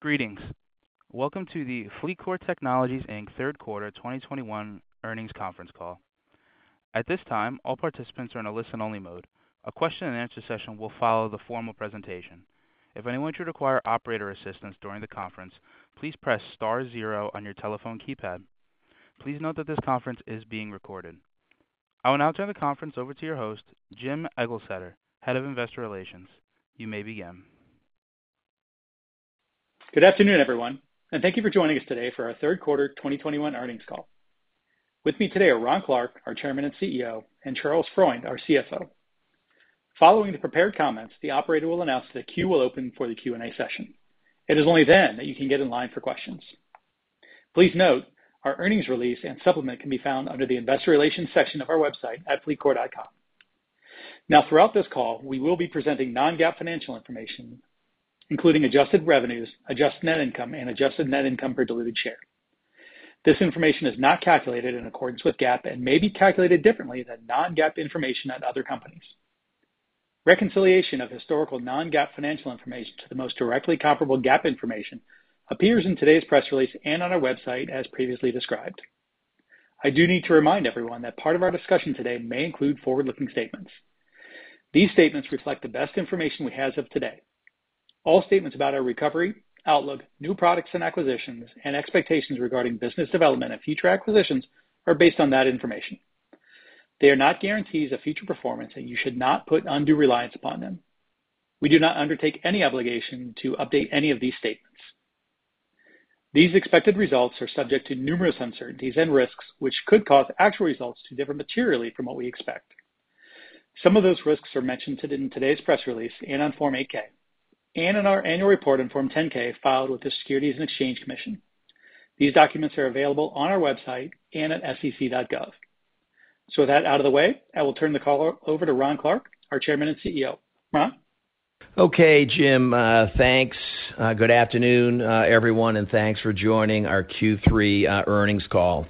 Greetings. Welcome to the FleetCor Technologies Inc. 3rd quarter 2021 earnings conference call. At this time, all participants are in a listen-only mode. A question-and-answer session will follow the formal presentation. If anyone should require operator assistance during the conference, please press star 0 on your telephone keypad. Please note that this conference is being recorded. I will now turn the conference over to your host, Jim Eglseder, Head of Investor Relations. You may begin. Good afternoon, everyone, and thank you for joining us today for our 3rd quarter 2021 earnings call. With me today are Ron Clarke, our Chairman and CEO, and Charles Freund, our CFO. Following the prepared comments, the operator will announce the queue will open for the Q&A session. It is only then that you can get in line for questions. Please note our earnings release and supplement can be found under the Investor Relations section of our website at fleetcor.com. Now, throughout this call, we will be presenting non-GAAP financial information, including adjusted revenues, adjusted net income, and adjusted net income per diluted share. This information is not calculated in accordance with GAAP and may be calculated differently than non-GAAP information at other companies. Reconciliation of historical non-GAAP financial information to the most directly comparable GAAP information appears in today's press release and on our website as previously described. I do need to remind everyone that part of our discussion today may include forward-looking statements. These statements reflect the best information we have as of today. All statements about our recovery, outlook, new products and acquisitions, and expectations regarding business development and future acquisitions are based on that information. They are not guarantees of future performance, and you should not put undue reliance upon them. We do not undertake any obligation to update any of these statements. These expected results are subject to numerous uncertainties and risks, which could cause actual results to differ materially from what we expect. Some of those risks are mentioned in today's press release and on Form 8-K, and in our annual report on Form 10-K filed with the Securities and Exchange Commission. These documents are available on our website and at sec.gov. With that out of the way, I will turn the call over to Ron Clarke, our Chairman and CEO. Ron? Okay, Jim. Thanks. Good afternoon, everyone, and thanks for joining our Q3 earnings call.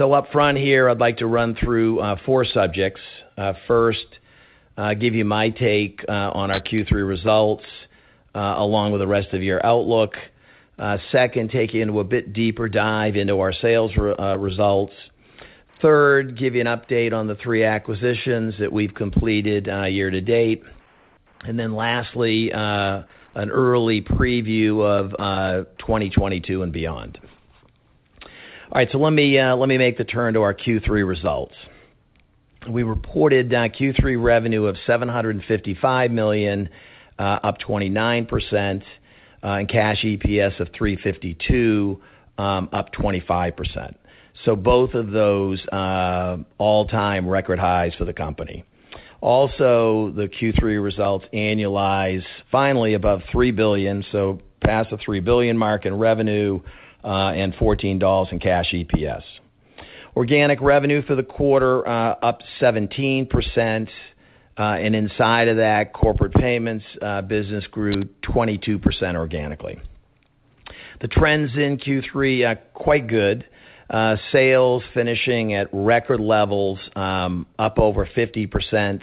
Up front here, I'd like to run through 4 subjects. First, give you my take on our Q3 results along with the rest of year outlook. Second, take you into a bit deeper dive into our sales results. Third, give you an update on the 3 acquisitions that we've completed year to date. Then lastly, an early preview of 2022 and beyond. All right, let me make the turn to our Q3 results. We reported Q3 revenue of $755 million, up 29%, and cash EPS of $3.52, up 25%. Both of those all-time record highs for the company. Also, the Q3 results annualize finally above $3 billion, so past the $3 billion mark in revenue, and $14 in cash EPS. Organic revenue for the quarter, up 17%, and inside of that corporate payments, business grew 22% organically. The trends in Q3 are quite good. Sales finishing at record levels, up over 50%,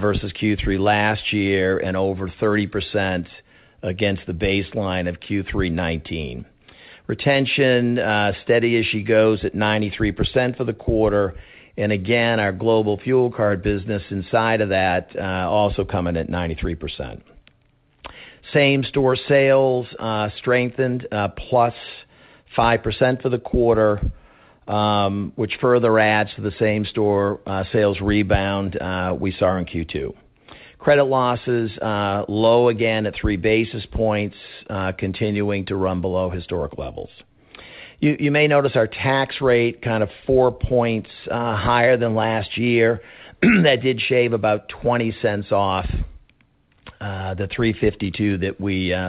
versus Q3 last year and over 30% against the baseline of Q3 2019. Retention, steady as she goes at 93% for the quarter. Again, our global fuel card business inside of that, also coming at 93%. Same-store sales, strengthened, +5% for the quarter, which further adds to the same-store sales rebound, we saw in Q2. Credit losses, low again at 3 basis points, continuing to run below historic levels. You may notice our tax rate kind of 4 points higher than last year. That did shave about 20 cents off the $3.52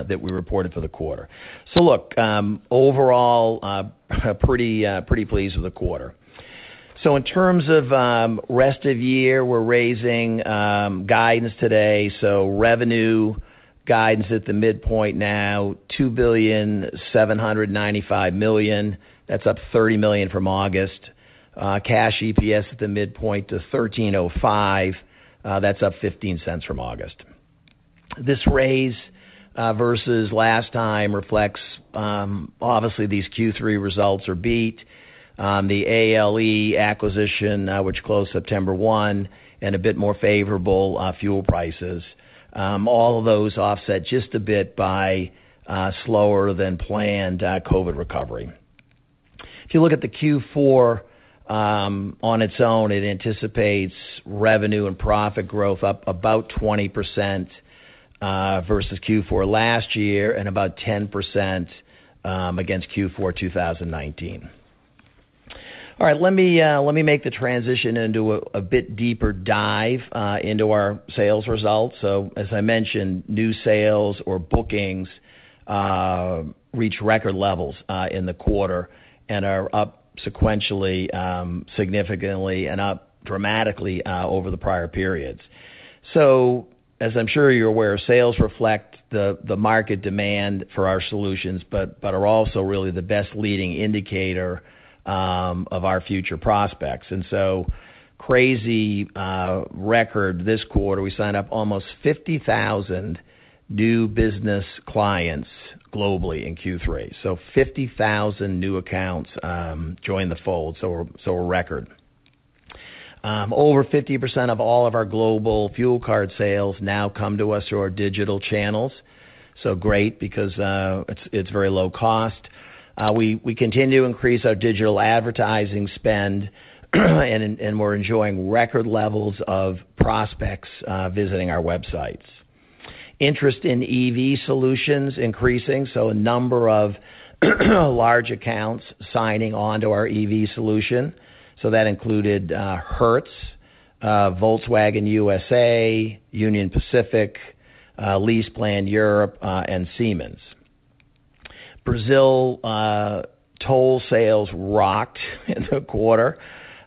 that we reported for the quarter. Look, overall, pretty pleased with the quarter. In terms of rest of year, we're raising guidance today. Revenue guidance at the midpoint now $2.795 billion. That's up $30 million from August. Cash EPS at the midpoint of $13.05. That's up 15 cents from August. This raise versus last time reflects obviously these Q3 results that beat, the ALE Solutions acquisition, which closed September 1 and a bit more favorable fuel prices. All of those offset just a bit by slower than planned COVID recovery. If you look at the Q4, on its own, it anticipates revenue and profit growth up about 20%, versus Q4 last year and about 10%, against Q4 2019. All right, let me make the transition into a bit deeper dive into our sales results. As I mentioned, new sales or bookings reach record levels in the quarter and are up sequentially significantly and up dramatically over the prior periods. As I'm sure you're aware, sales reflect the market demand for our solutions, but are also really the best leading indicator of our future prospects. Crazy record this quarter, we signed up almost 50,000 new business clients globally in Q3, so 50,000 new accounts joined the fold, so a record. Over 50% of all of our global fuel card sales now come to us through our digital channels. Great because it's very low cost. We continue to increase our digital advertising spend, and we're enjoying record levels of prospects visiting our websites. Interest in EV solutions increasing, so a number of large accounts signing on to our EV solution. That included Hertz, Volkswagen USA, Union Pacific, LeasePlan Europe, and Siemens. Brazil toll sales rocked in the quarter.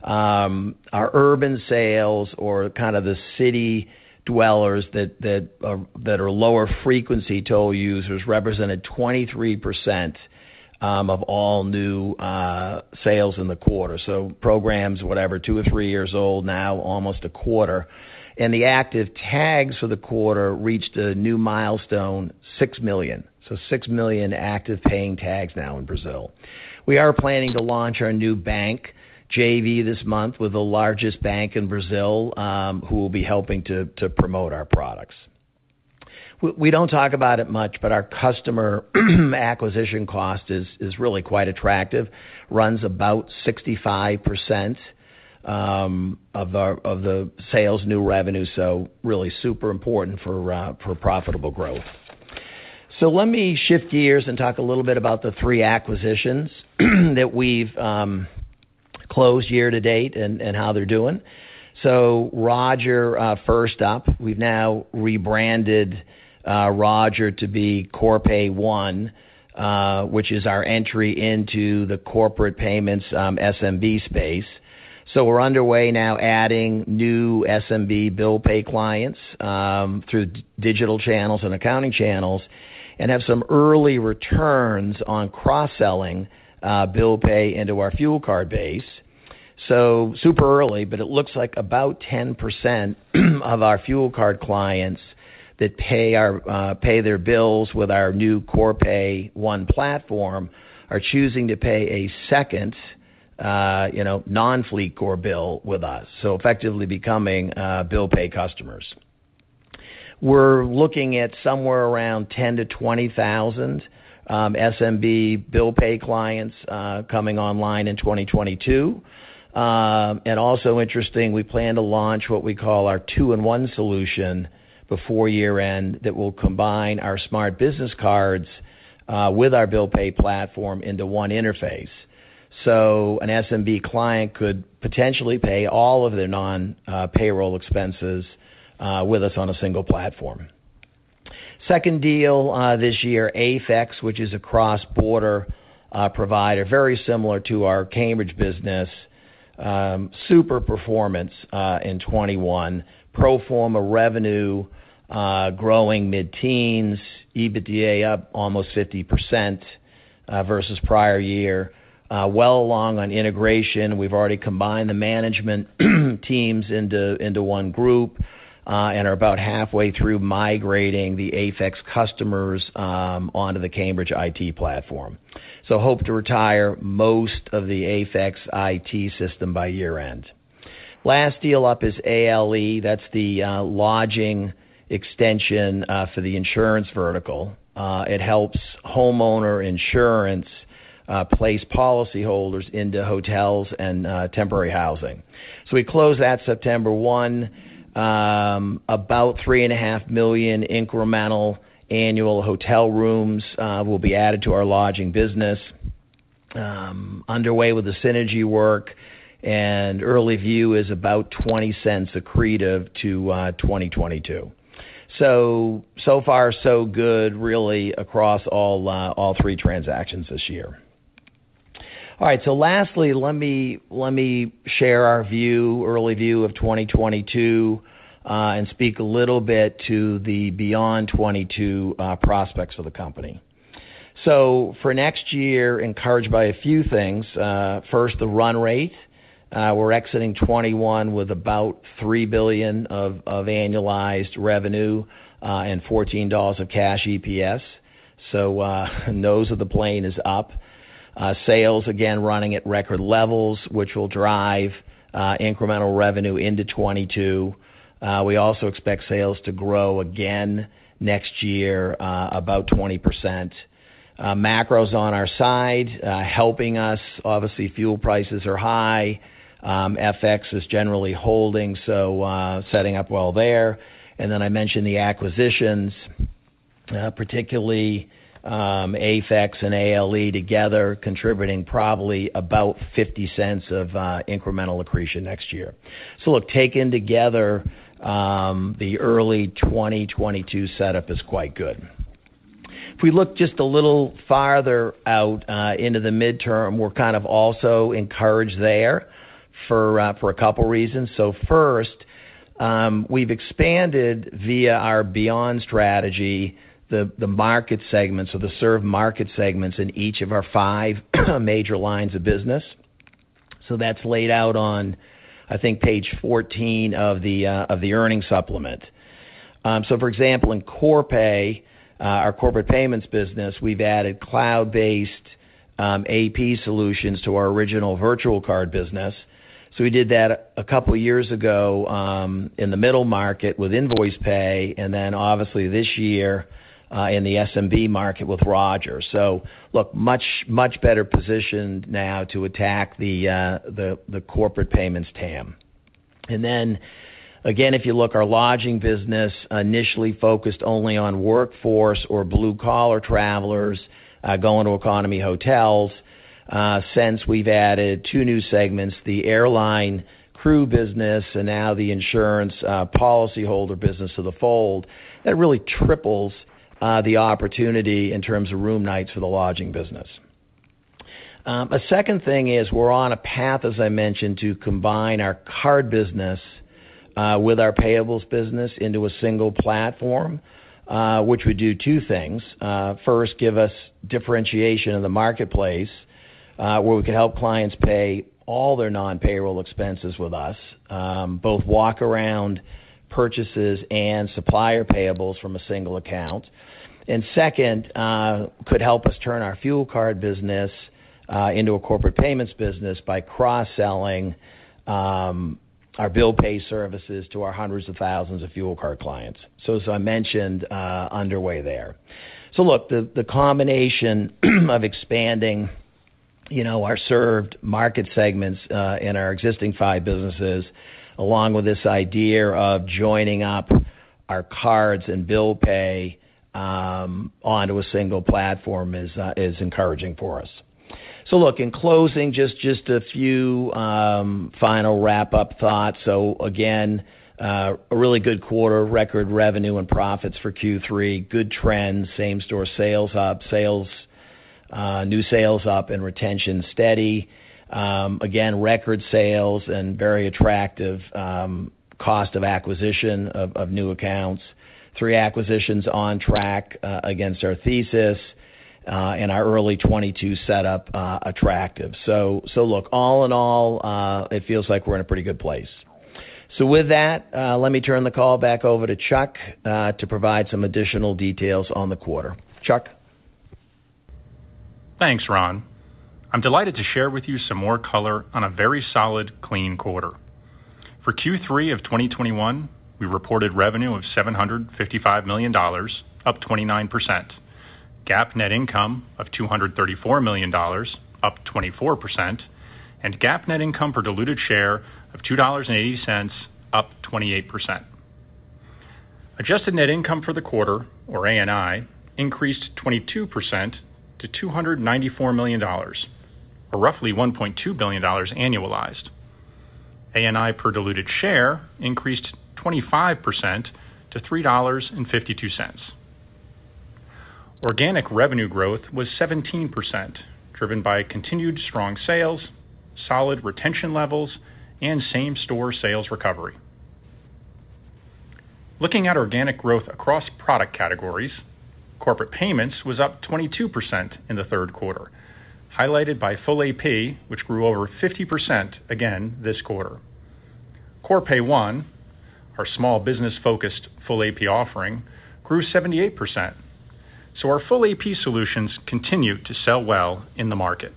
Our urban sales or kind of the city dwellers that are lower frequency toll users represented 23% of all new sales in the quarter. Programs, whatever, two or 3 years old now, almost a quarter. The active tags for the quarter reached a new milestone, 6 million. 6 million active paying tags now in Brazil. We are planning to launch our new bank JV this month with the largest bank in Brazil, who will be helping to promote our products. We don't talk about it much, but our customer acquisition cost is really quite attractive. Runs about 65% of the sales new revenue, so really super important for profitable growth. Let me shift gears and talk a little bit about the 3 acquisitions that we've closed year to date and how they're doing. Roger, first up, we've now rebranded Roger to be Corpay One, which is our entry into the corporate payments SMB space. We're underway now adding new SMB bill pay clients through digital channels and accounting channels, and have some early returns on cross-selling bill pay into our fuel card base. Super early, but it looks like about 10% of our fuel card clients that pay their bills with our new Corpay One platform are choosing to pay a second, you know, non-FleetCor bill with us. Effectively becoming bill pay customers. We're looking at somewhere around 10,000-20,000 SMB bill pay clients coming online in 2022. Also interesting, we plan to launch what we call our two-in-one solution before year-end that will combine our smart business cards with our bill pay platform into one interface. An SMB client could potentially pay all of their non payroll expenses with us on a single platform. Second deal this year, AFEX, which is a cross-border provider, very similar to our Cambridge business, super performance in 2021. Pro forma revenue growing mid-teens%, EBITDA up almost 50% versus prior year. Well along on integration, we've already combined the management teams into one group and are about halfway through migrating the AFEX customers onto the Cambridge IT platform. Hope to retire most of the AFEX IT system by year-end. Last deal up is ALE, that's the lodging extension for the insurance vertical. It helps homeowner insurance place policyholders into hotels and temporary housing. We closed that September 1. About 3.5 million incremental annual hotel rooms will be added to our lodging business. Underway with the synergy work, early view is about $0.20 accretive to 2022. So far so good really across all 3 transactions this year. All right. Lastly, let me share our early view of 2022 and speak a little bit to the Beyond 2022 prospects for the company. For next year, encouraged by a few things. First, the run rate. We're exiting 2021 with about $3 billion of annualized revenue and $14 of cash EPS. Nose of the plane is up. Sales again running at record levels, which will drive incremental revenue into 2022. We also expect sales to grow again next year, about 20%. Macro's on our side, helping us. Obviously, fuel prices are high. FX is generally holding, so setting up well there. I mentioned the acquisitions, particularly AFEX and ALE Solutions together contributing probably about $0.50 of incremental accretion next year. Look, taken together, the early 2022 setup is quite good. If we look just a little farther out, into the midterm, we're kind of also encouraged there for a couple reasons. First, we've expanded via our Beyond strategy, the market segments or the served market segments in each of our five major lines of business. That's laid out on, I think, Page 14 of the earnings supplement. For example, in Corpay, our corporate payments business, we've added cloud-based AP solutions to our original virtual card business. We did that a couple years ago in the middle market with Nvoicepay, and then obviously this year in the SMB market with Roger. Look, much better positioned now to attack the corporate payments TAM. Again, if you look, our lodging business initially focused only on workforce or blue-collar travelers going to economy hotels. Since we've added two new segments, the airline crew business and now the insurance policyholder business to the fold, that really triples the opportunity in terms of room nights for the lodging business. A second thing is we're on a path, as I mentioned, to combine our card business with our payables business into a single platform, which would do 2 things. First, give us differentiation in the marketplace, where we could help clients pay all their non-payroll expenses with us, both walk-around purchases and supplier payables from a single account. Second, could help us turn our fuel card business into a corporate payments business by cross-selling our bill pay services to our hundreds of thousands of fuel card clients. As I mentioned, underway there. Look, the combination of expanding, you know, our served market segments in our existing 5 businesses, along with this idea of joining up our cards and bill pay onto a single platform is encouraging for us. Look, in closing, a few final wrap-up thoughts. Again, a really good quarter. Record revenue and profits for Q3. Good trends. Same-store sales up. New sales up and retention steady. Again, record sales and very attractive cost of acquisition of new accounts. 3 acquisitions on track against our thesis. Our early 2022 setup attractive. Look, all in all, it feels like we're in a pretty good place. With that, let me turn the call back over to Chuck to provide some additional details on the quarter. Chuck? Thanks, Ron. I'm delighted to share with you some more color on a very solid, clean quarter. For Q3 of 2021, we reported revenue of $755 million, up 29%. GAAP net income of $234 million, up 24%. GAAP net income per diluted share of $2.80, up 28%. Adjusted net income for the quarter, or ANI, increased 22% to $294 million, or roughly $1.2 billion annualized. ANI per diluted share increased 25% to $3.52. Organic revenue growth was 17%, driven by continued strong sales, solid retention levels, and same-store sales recovery. Looking at organic growth across product categories, corporate payments was up 22% in the third quarter, highlighted by full AP, which grew over 50% again this quarter. Corpay One, our small business-focused full AP offering, grew 78%. Our full AP solutions continue to sell well in the market.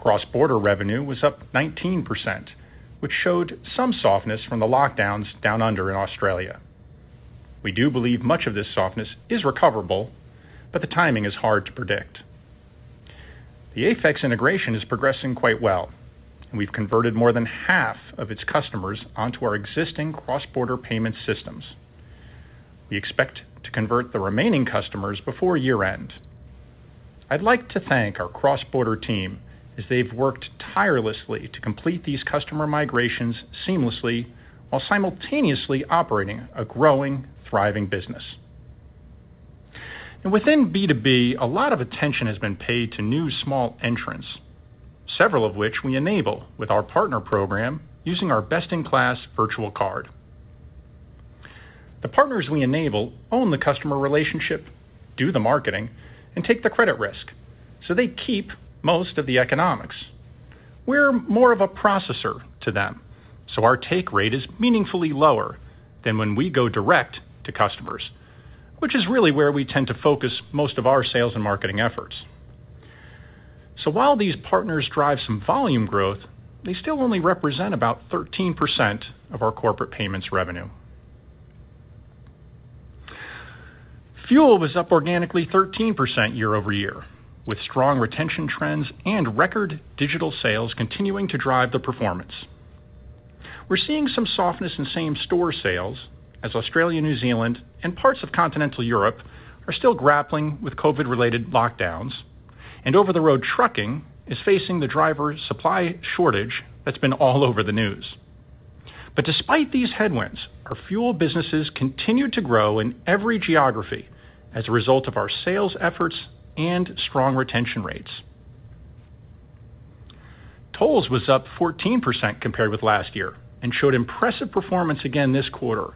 Cross-border revenue was up 19%, which showed some softness from the lockdowns down under in Australia. We do believe much of this softness is recoverable, but the timing is hard to predict. The AFEX integration is progressing quite well. We've converted more than half of its customers onto our existing cross-border payment systems. We expect to convert the remaining customers before year-end. I'd like to thank our cross-border team as they've worked tirelessly to complete these customer migrations seamlessly while simultaneously operating a growing, thriving business. Within B2B, a lot of attention has been paid to new small entrants, several of which we enable with our partner program using our best-in-class virtual card. The partners we enable own the customer relationship, do the marketing, and take the credit risk, so they keep most of the economics. We're more of a processor to them, so our take rate is meaningfully lower than when we go direct to customers, which is really where we tend to focus most of our sales and marketing efforts. While these partners drive some volume growth, they still only represent about 13% of our corporate payments revenue. Fuel was up organically 13% year-over-year, with strong retention trends and record digital sales continuing to drive the performance. We're seeing some softness in same-store sales as Australia, New Zealand, and parts of continental Europe are still grappling with COVID-related lockdowns, and over-the-road trucking is facing the driver supply shortage that's been all over the news. Despite these headwinds, our fuel businesses continued to grow in every geography as a result of our sales efforts and strong retention rates. Tolls was up 14% compared with last year and showed impressive performance again this quarter,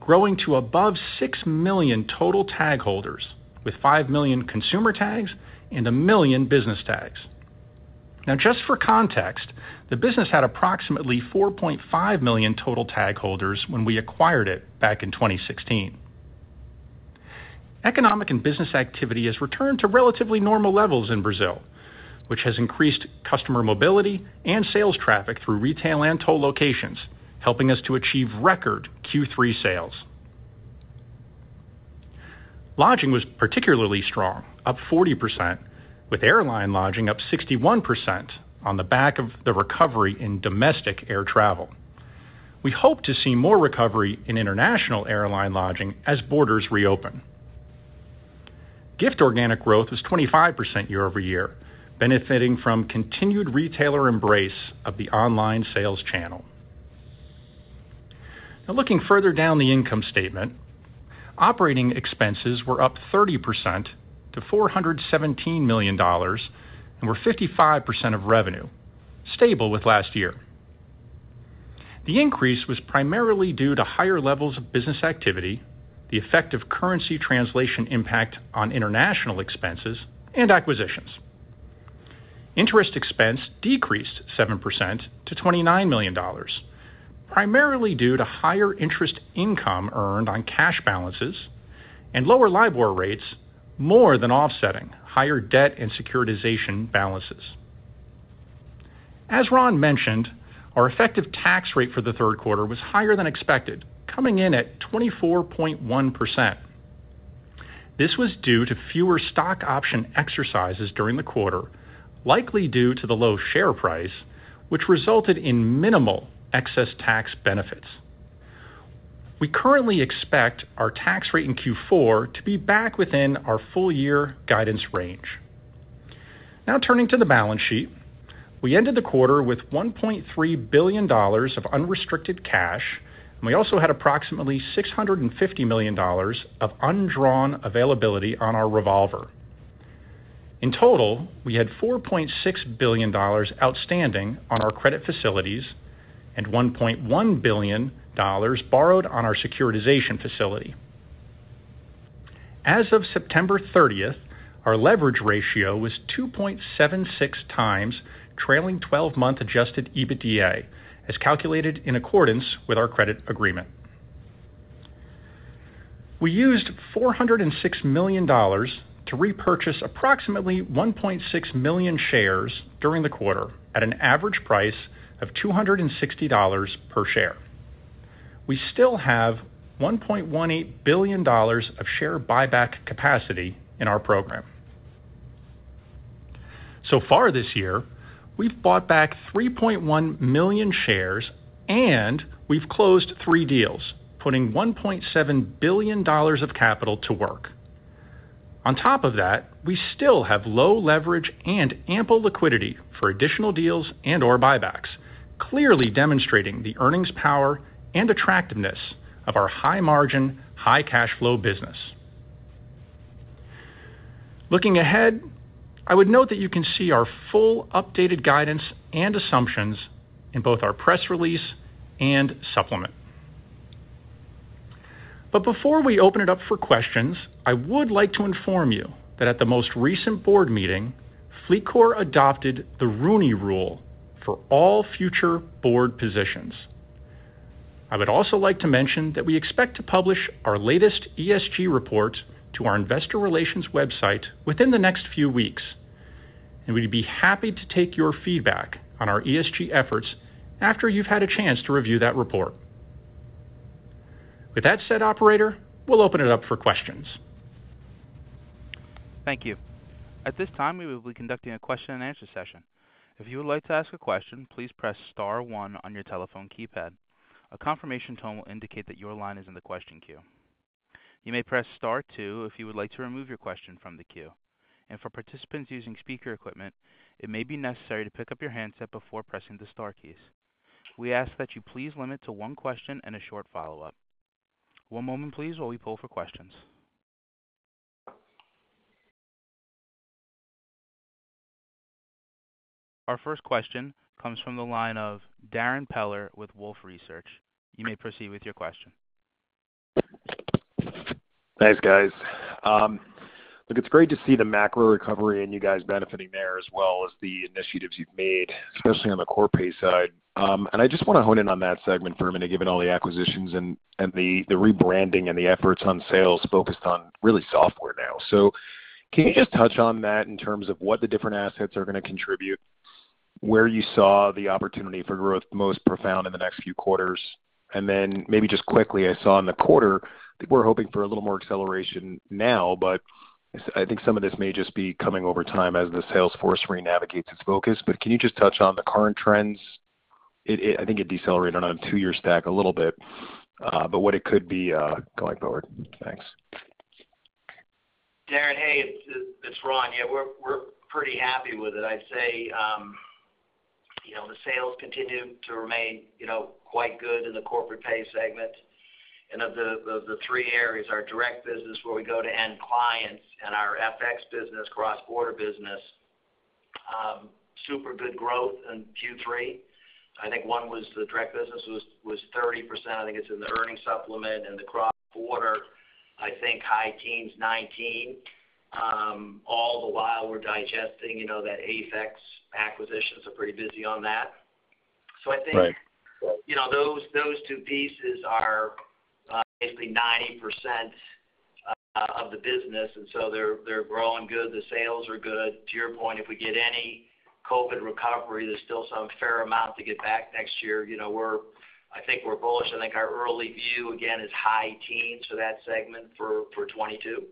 growing to above 6 million total tag holders with 5 million consumer tags and 1 million business tags. Now just for context, the business had approximately 4.5 million total tag holders when we acquired it back in 2016. Economic and business activity has returned to relatively normal levels in Brazil, which has increased customer mobility and sales traffic through retail and toll locations, helping us to achieve record Q3 sales. Lodging was particularly strong, up 40%, with airline lodging up 61% on the back of the recovery in domestic air travel. We hope to see more recovery in international airline lodging as borders reopen. Gift organic growth was 25% year over year, benefiting from continued retailer embrace of the online sales channel. Now looking further down the income statement, operating expenses were up 30% to $417 million and were 55% of revenue, stable with last year. The increase was primarily due to higher levels of business activity, the effect of currency translation impact on international expenses and acquisitions. Interest expense decreased 7% to $29 million, primarily due to higher interest income earned on cash balances and lower LIBOR rates, more than offsetting higher debt and securitization balances. As Ron mentioned, our effective tax rate for the third quarter was higher than expected, coming in at 24.1%. This was due to fewer stock option exercises during the quarter, likely due to the low share price, which resulted in minimal excess tax benefits. We currently expect our tax rate in Q4 to be back within our full year guidance range. Now turning to the balance sheet. We ended the quarter with $1.3 billion of unrestricted cash, and we also had approximately $650 million of undrawn availability on our revolver. In total, we had $4.6 billion outstanding on our credit facilities and $1.1 billion borrowed on our securitization facility. As of September 30, our leverage ratio was 2.76 times trailing 12 month adjusted EBITDA, as calculated in accordance with our credit agreement. We used $406 million to repurchase approximately 1.6 million shares during the quarter at an average price of $260 per share. We still have $1.18 billion of share buyback capacity in our program. Far this year, we've bought back 3.1 million shares and we've closed 3 deals, putting $1.7 billion of capital to work. On top of that, we still have low leverage and ample liquidity for additional deals and or buybacks, clearly demonstrating the earnings power and attractiveness of our high margin, high cash flow business. Looking ahead, I would note that you can see our full updated guidance and assumptions in both our press release and supplement. before we open it up for questions, I would like to inform you that at the most recent board meeting, FleetCor adopted the Rooney Rule for all future board positions. I would also like to mention that we expect to publish our latest ESG report to our investor relations website within the next few weeks, and we'd be happy to take your feedback on our ESG efforts after you've had a chance to review that report. With that said, operator, we'll open it up for questions. Thank you. At this time, we will be conducting a question and answer session. If you would like to ask a question, please press star 1 on your telephone keypad. A confirmation tone will indicate that your line is in the question queue. You may press star 2 if you would like to remove your question from the queue. For participants using speaker equipment, it may be necessary to pick up your handset before pressing the star keys. We ask that you please limit to 1 question and a short follow-up. One moment please while we poll for questions. Our first question comes from the line of Darrin Peller with Wolfe Research. You may proceed with your question. Thanks, guys. Look, it's great to see the macro recovery and you guys benefiting there as well as the initiatives you've made, especially on the Corpay side. I just want to hone in on that segment for a minute, given all the acquisitions and the rebranding and the efforts on sales focused on really software now. Can you just touch on that in terms of what the different assets are going to contribute, where you saw the opportunity for growth most profound in the next few quarters? Then maybe just quickly, I saw in the quarter that we're hoping for a little more acceleration now, but I think some of this may just be coming over time as the sales force renavigates its focus. Can you just touch on the current trends? I think it decelerated on a two-year stack a little bit, but what it could be going forward. Thanks. Darrin, hey, it's Ron. Yeah, we're pretty happy with it. I'd say, you know, the sales continue to remain, you know, quite good in the corporate pay segment. Of the 3 areas, our direct business where we go to end clients and our FX business, cross-border business, super good growth in Q3. I think the direct business was 30%. I think it's in the earnings supplement. The cross-border, I think high teens, 19%. All the while we're digesting, you know, that AFEX acquisition, we're pretty busy on that. Right. I think, you know, those 2 pieces are basically 90% of the business, and they're growing good. The sales are good. To your point, if we get any COVID recovery, there's still some fair amount to get back next year. You know, we're bullish. I think our early view, again, is high teens for that segment for 2022.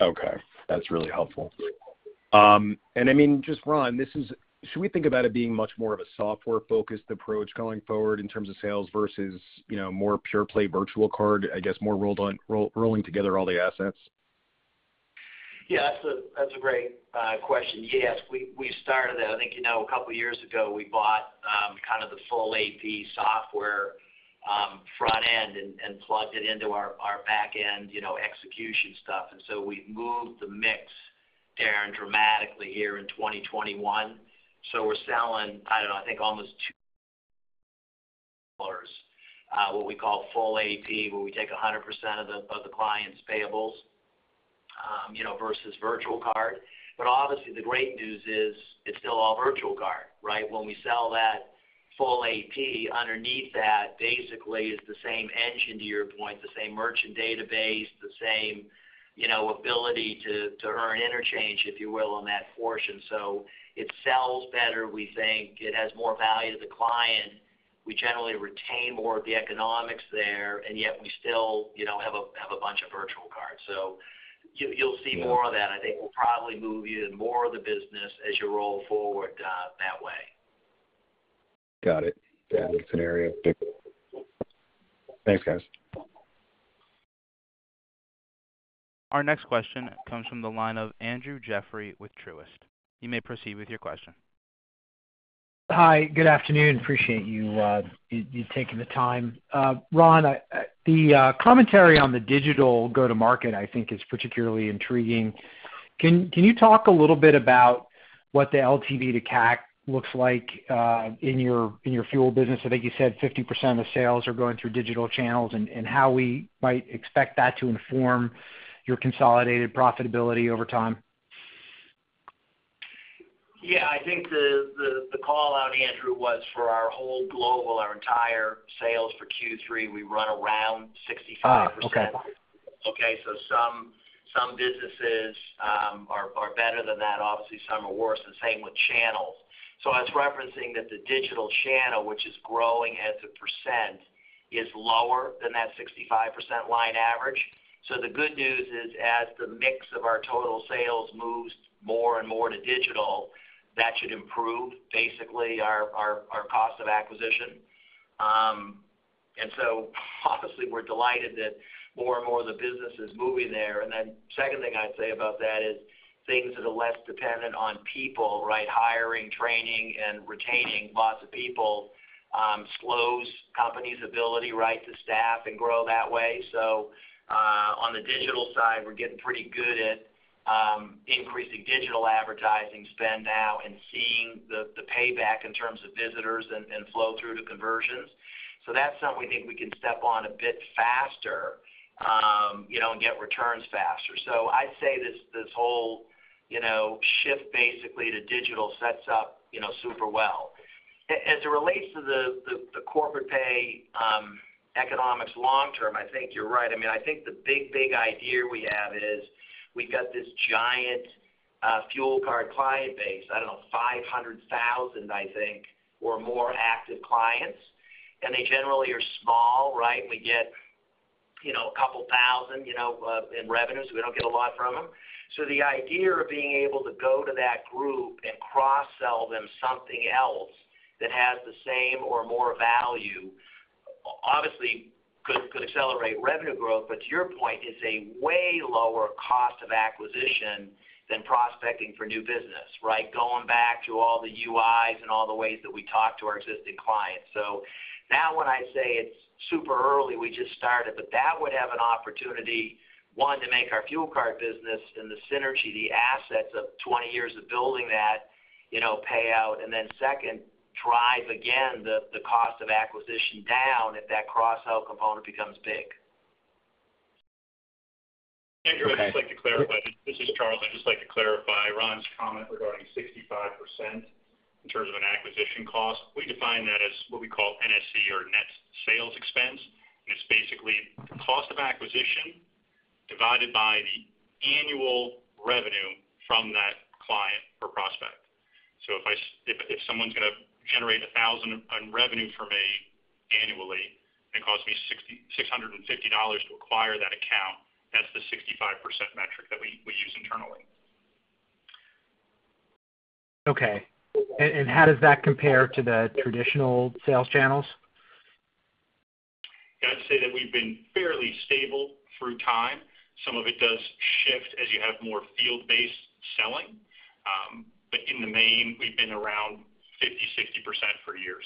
Okay. That's really helpful. I mean, just Ron, should we think about it being much more of a software-focused approach going forward in terms of sales versus, you know, more pure play virtual card? I guess more rolling together all the assets? Yeah, that's a great question. Yes, we started that. I think, you know, a couple years ago we bought kind of the full AP software front end and plugged it into our back end, you know, execution stuff. We've moved the mix, Darrin, dramatically here in 2021. We're selling, I don't know, I think almost $2, what we call full AP, where we take 100% of the client's payables, you know, versus virtual card. Obviously, the great news is it's still all virtual card, right? When we sell that full AP, underneath that basically is the same engine, to your point, the same merchant database, the same, you know, ability to earn interchange, if you will, on that portion. It sells better, we think. It has more value to the client. We generally retain more of the economics there, and yet we still, you know, have a bunch of virtual cards. So you'll see more of that. I think we'll probably move you in more of the business as you roll forward, that way. Got it. Yeah, that's an area of big. Thanks, guys. Our next question comes from the line of Andrew W. Jeffrey with Truist Securities. You may proceed with your question. Hi, good afternoon. Appreciate you taking the time. Ron, the commentary on the digital go-to-market, I think, is particularly intriguing. Can you talk a little bit about what the LTV to CAC looks like in your fuel business? I think you said 50% of sales are going through digital channels, and how we might expect that to inform your consolidated profitability over time. Yeah. I think the call-out, Andrew, was for our whole global, our entire sales for Q3. We run around 65%. Okay. Okay? Some businesses are better than that. Obviously, some are worse. The same with channels. I was referencing that the digital channel, which is growing as a percent, is lower than that 65% line average. The good news is, as the mix of our total sales moves more and more to digital, that should improve basically our cost of acquisition. Obviously, we're delighted that more and more of the business is moving there. Second thing I'd say about that is things that are less dependent on people, right? Hiring, training, and retaining lots of people slows company's ability, right, to staff and grow that way. On the digital side, we're getting pretty good at increasing digital advertising spend now and seeing the payback in terms of visitors and flow through to conversions. That's something we think we can step on a bit faster, you know, and get returns faster. I'd say this whole, you know, shift basically to digital sets up, you know, super well. As it relates to the corporate pay economics long term, I think you're right. I mean, I think the big idea we have is we've got this giant fuel card client base, I don't know, 500,000, I think, or more active clients, and they generally are small, right? We get, you know, a couple thousand, you know, in revenues. We don't get a lot from them. The idea of being able to go to that group and cross-sell them something else that has the same or more value obviously could accelerate revenue growth, but to your point, it's a way lower cost of acquisition than prospecting for new business, right? Going back to all the UIs and all the ways that we talk to our existing clients. Now when I say it's super early, we just started, but that would have an opportunity, one, to make our fuel card business and the synergy, the assets of 20 years of building that, you know, pay out, and then second, drive again the cost of acquisition down if that cross-sell component becomes big. Okay. Andrew, I'd just like to clarify. This is Charles. I'd just like to clarify Ron's comment regarding 65% in terms of an acquisition cost. We define that as what we call NSE or net sales expense. It's basically cost of acquisition divided by the annual revenue from that client or prospect. If someone's gonna generate 1,000 in revenue for me annually, it costs me $650 to acquire that account, that's the 65% metric that we use. Okay. How does that compare to the traditional sales channels? Yeah, I'd say that we've been fairly stable through time. Some of it does shift as you have more field-based selling. But in the main, we've been around 50, 60% for years.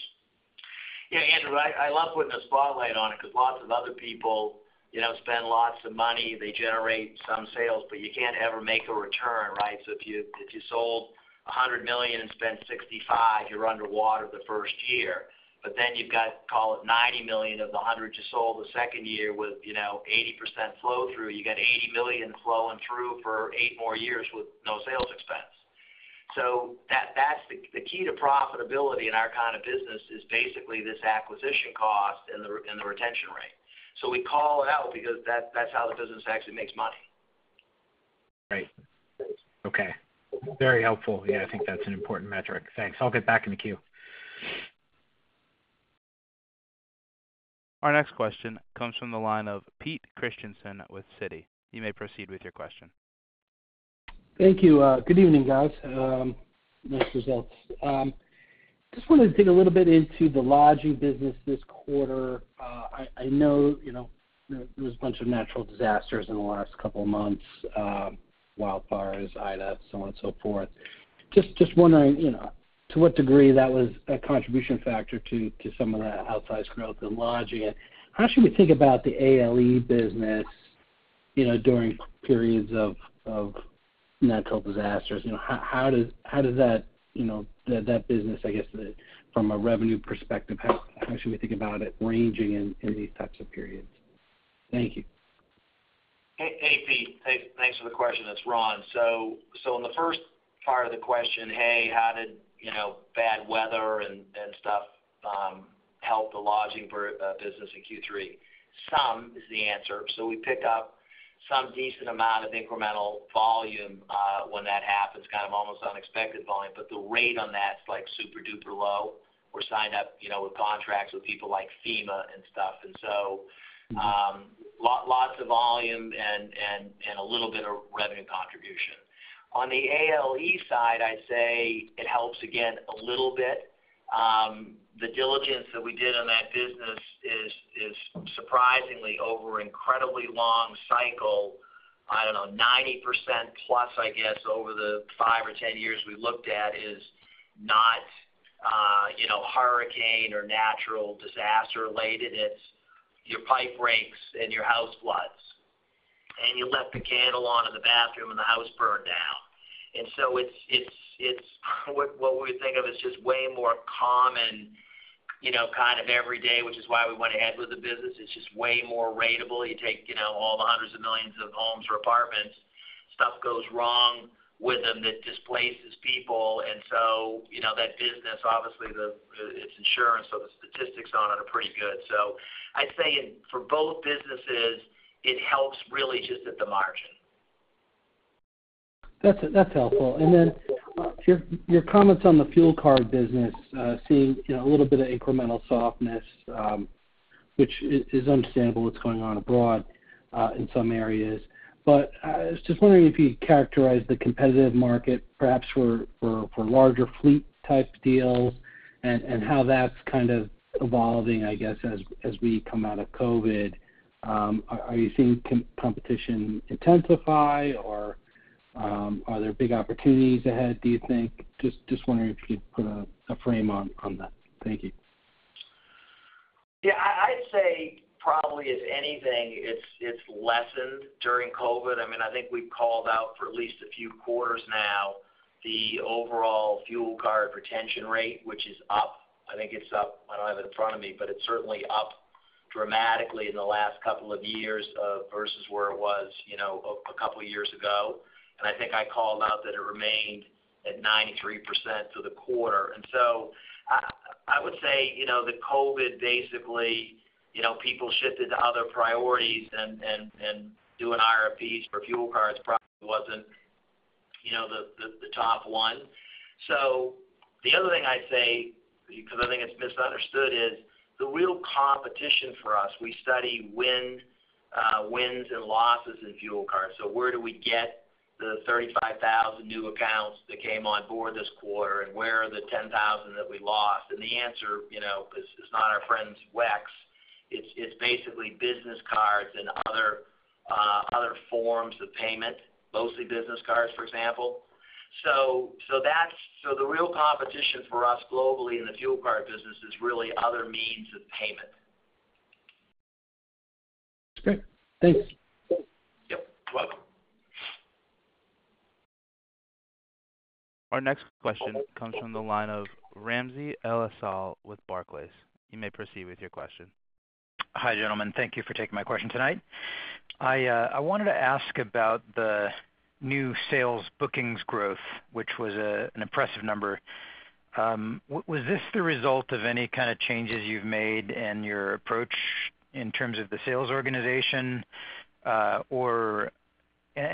Yeah, Andrew, I love putting a spotlight on it because lots of other people, you know, spend lots of money. They generate some sales, but you can't ever make a return, right? So if you sold $100 million and spent $65 million, you're underwater the first year. But then you've got, call it $90 million of the $100 million you sold the second year with, you know, 80% flow through, you get $80 million flowing through for 8 more years with no sales expense. So that's the key to profitability in our kind of business is basically this acquisition cost and the retention rate. So we call it out because that's how the business actually makes money. Right. Okay. Very helpful. Yeah, I think that's an important metric. Thanks. I'll get back in the queue. Our next question comes from the line of Peter Christiansen with Citigroup. You may proceed with your question. Thank you. Good evening, guys. Nice results. Just wanted to dig a little bit into the lodging business this quarter. I know, you know, there was a bunch of natural disasters in the last couple of months, wildfires, Ida, so on and so forth. Just wondering, you know, to what degree that was a contributing factor to some of the outsized growth in lodging. How should we think about the ALE Solutions business, you know, during periods of natural disasters? You know, how does that business, I guess, from a revenue perspective, how should we think about it operating in these types of periods? Thank you. Hey, Peter. Thanks for the question. It's Ron. In the first part of the question, hey, how did bad weather, you know, and stuff help the lodging business in Q3? Some is the answer. We pick up some decent amount of incremental volume when that happens, kind of almost unexpected volume, but the rate on that is like super-duper low. We're signed up, you know, with contracts with people like FEMA and stuff. Lots of volume and a little bit of revenue contribution. On the ALE Solutions side, I'd say it helps again a little bit. The diligence that we did on that business is surprisingly over incredibly long cycle. I don't know, 90% plus, I guess, over the 5 or 10 years we looked at is not, you know, hurricane or natural disaster related. It's your pipe breaks and your house floods, and you left the candle on in the bathroom and the house burned down. It's it's what we think of as just way more common, you know, kind of every day, which is why we went ahead with the business. It's just way more ratable. You take, you know, all the hundreds of millions of homes or apartments, stuff goes wrong with them that displaces people. You know, that business, obviously it's insurance, so the statistics on it are pretty good. I'd say for both businesses, it helps really just at the margin. That's helpful. Then your comments on the fuel card business, seeing, you know, a little bit of incremental softness, which is understandable what's going on abroad in some areas. I was just wondering if you could characterize the competitive market perhaps for larger fleet type deals and how that's kind of evolving, I guess, as we come out of COVID. Are you seeing competition intensify or are there big opportunities ahead, do you think? Just wondering if you'd put a frame on that. Thank you. I'd say probably if anything, it's lessened during COVID. I mean, I think we've called out for at least a few quarters now the overall fuel card retention rate, which is up. I think it's up. I don't have it in front of me, but it's certainly up dramatically in the last couple of years versus where it was, you know, a couple of years ago. I think I called out that it remained at 93% for the quarter. I would say, you know, that COVID basically, you know, people shifted to other priorities and doing RFPs for fuel cards probably wasn't, you know, the top one. The other thing I'd say, because I think it's misunderstood, is the real competition for us. We study wins and losses in fuel cards. Where do we get the 35,000 new accounts that came on board this quarter, and where are the 10,000 that we lost? The answer, you know, is not our friends WEX. It's basically business cards and other forms of payment, mostly business cards, for example. That's the real competition for us globally in the fuel card business is really other means of payment. That's great. Thanks. Yep. Welcome. Our next question comes from the line of Ramsey El-Assal with Barclays. You may proceed with your question. Hi, gentlemen. Thank you for taking my question tonight. I wanted to ask about the new sales bookings growth, which was an impressive number. Was this the result of any kind of changes you've made in your approach in terms of the sales organization?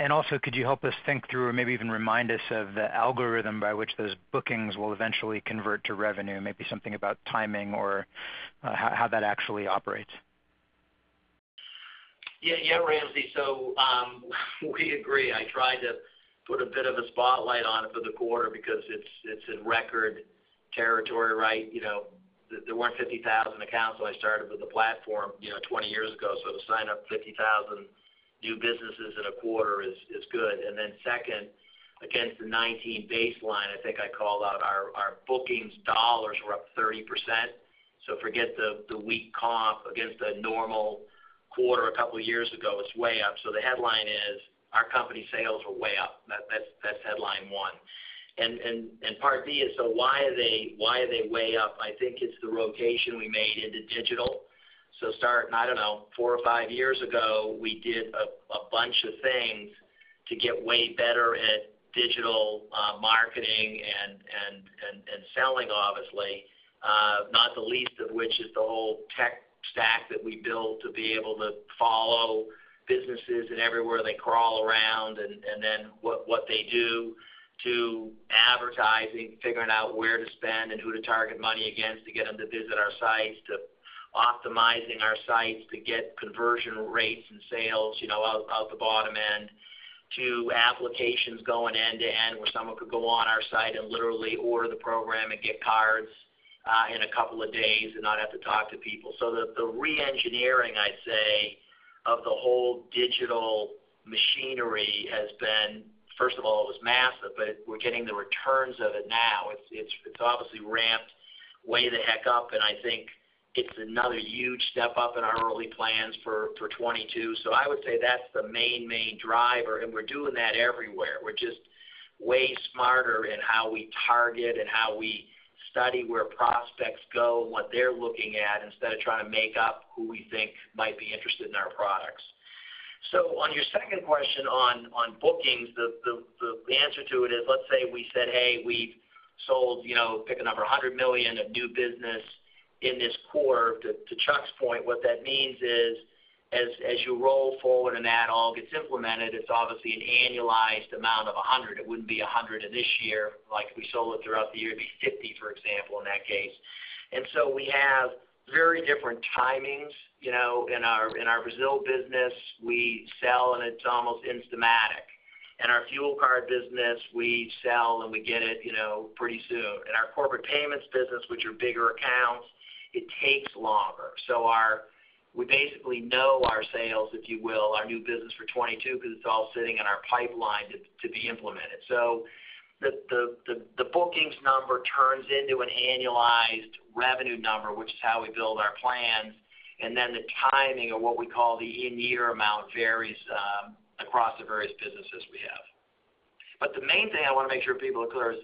Also could you help us think through or maybe even remind us of the algorithm by which those bookings will eventually convert to revenue, maybe something about timing or how that actually operates? Yeah, yeah, Ramsey. We agree. I tried to put a bit of a spotlight on it for the quarter because it's in record territory, right? You know, there weren't 50,000 accounts when I started with the platform, you know, 20 years ago. To sign up 50,000 new businesses in a quarter is good. Second, against the 2019 baseline, I think I called out our bookings dollars were up 30%. Forget the weak comp against a normal quarter a couple years ago, it's way up. The headline is, our company sales are way up. That's headline one. Part B is, why are they way up? I think it's the rotation we made into digital. Start, I don't know, 4 or 5 years ago, we did a bunch of things to get way better at digital marketing and selling obviously, not the least of which is the whole tech stack that we built to be able to follow businesses and everywhere they crawl around and then what they do to advertising, figuring out where to spend and who to target money against to get them to visit our sites, to optimizing our sites to get conversion rates and sales, you know, out the bottom end to applications going end-to-end, where someone could go on our site and literally order the program and get cards in a couple of days and not have to talk to people. The re-engineering, I'd say, of the whole digital machinery has been, first of all, it was massive, but we're getting the returns of it now. It's obviously ramped way the heck up, and I think it's another huge step up in our early plans for 2022. I would say that's the main driver, and we're doing that everywhere. We're just way smarter in how we target and how we study where prospects go and what they're looking at, instead of trying to make up who we think might be interested in our products. On your second question on bookings, the answer to it is, let's say we said, "Hey, we've sold," you know, pick a number, "$100 million of new business in this quarter." To Chuck's point, what that means is as you roll forward and that all gets implemented, it's obviously an annualized amount of $100. It wouldn't be $100 in this year like we sold it throughout the year. It'd be $50, for example, in that case. We have very different timings. You know, in our Brazil business, we sell and it's almost programmatic. In our fuel card business, we sell and we get it, you know, pretty soon. In our corporate payments business, which are bigger accounts, it takes longer. So our We basically know our sales, if you will, our new business for 2022, 'cause it's all sitting in our pipeline to be implemented. The bookings number turns into an annualized revenue number, which is how we build our plans, and then the timing of what we call the in-year amount varies across the various businesses we have. The main thing I wanna make sure people are clear is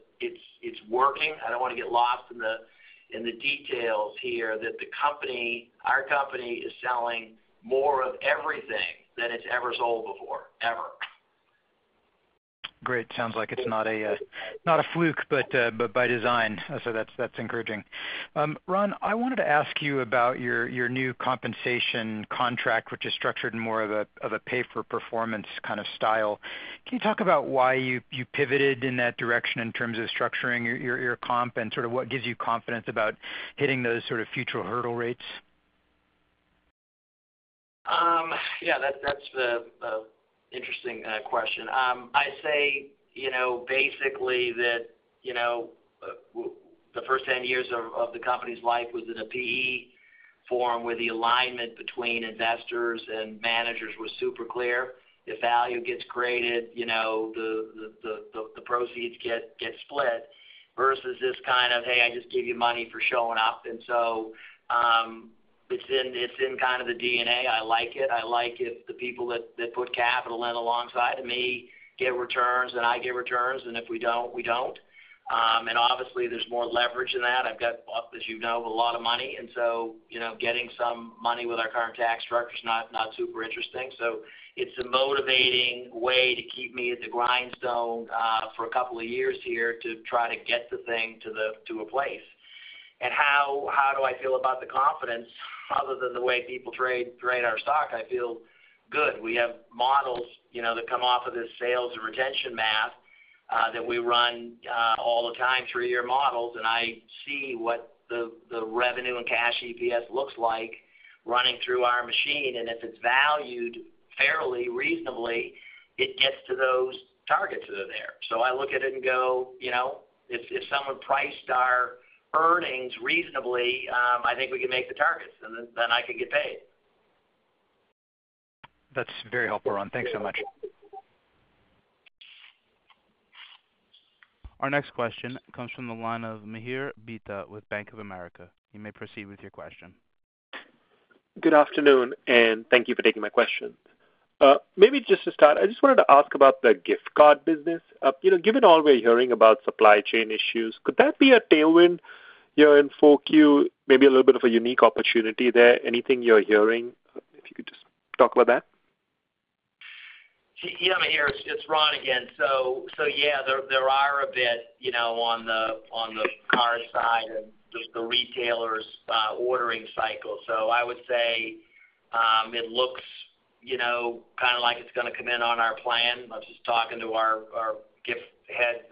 it's working. I don't wanna get lost in the details here that the company, our company, is selling more of everything than it's ever sold before, ever. Great. Sounds like it's not a fluke, but by design. That's encouraging. Ron, I wanted to ask you about your new compensation contract, which is structured in more of a pay-for-performance kind of style. Can you talk about why you pivoted in that direction in terms of structuring your comp and sort of what gives you confidence about hitting those sort of future hurdle rates? Yeah, that's an interesting question. I say, you know, basically that, you know, the first 10 years of the company's life was in a PE form, where the alignment between investors and managers were super clear. If value gets created, you know, the proceeds get split versus this kind of, "Hey, I just gave you money for showing up." It's in kind of the DNA. I like it. I like if the people that put capital in alongside of me get returns and I get returns, and if we don't, we don't. Obviously there's more leverage in that. I've got, as you know, a lot of money, and so, you know, getting some money with our current tax structure is not super interesting. It's a motivating way to keep me at the grindstone for a couple of years here to try to get the thing to the, to a place. How do I feel about the confidence other than the way people trade our stock? I feel good. We have models, you know, that come off of this sales retention math that we run all the time, 3 year models, and I see what the revenue and cash EPS looks like running through our machine. If it's valued fairly reasonably, it gets to those targets that are there. I look at it and go, you know, if someone priced our earnings reasonably, I think we can make the targets, and then I can get paid. That's very helpful, Ron. Thanks so much. Our next question comes from the line of Mihir Bhatia with Bank of America. You may proceed with your question. Good afternoon, and thank you for taking my question. Maybe just to start, I just wanted to ask about the gift card business. You know, given all we're hearing about supply chain issues, could that be a tailwind, you know, in 4Q, maybe a little bit of a unique opportunity there? Anything you're hearing, if you could just talk about that. Yeah, Mihir, it's Ron again. Yeah, there are a bit, you know, on the card side and just the retailers ordering cycle. I would say it looks, you know, kinda like it's gonna come in on our plan. Let's just talk into our gift head.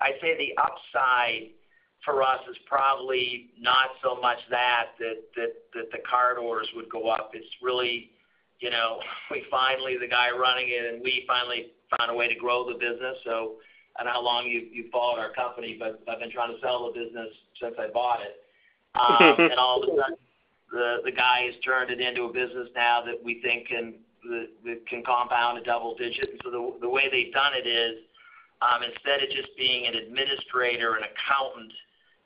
I'd say the upside for us is probably not so much that the corridors would go up. It's really, you know, the guy running it, and we finally found a way to grow the business. I don't know how long you've followed our company, but I've been trying to sell the business since I bought it. All of a sudden, the guy has turned it into a business now that we think that can compound a double digit. The way they've done it is, instead of just being an administrator and accountant,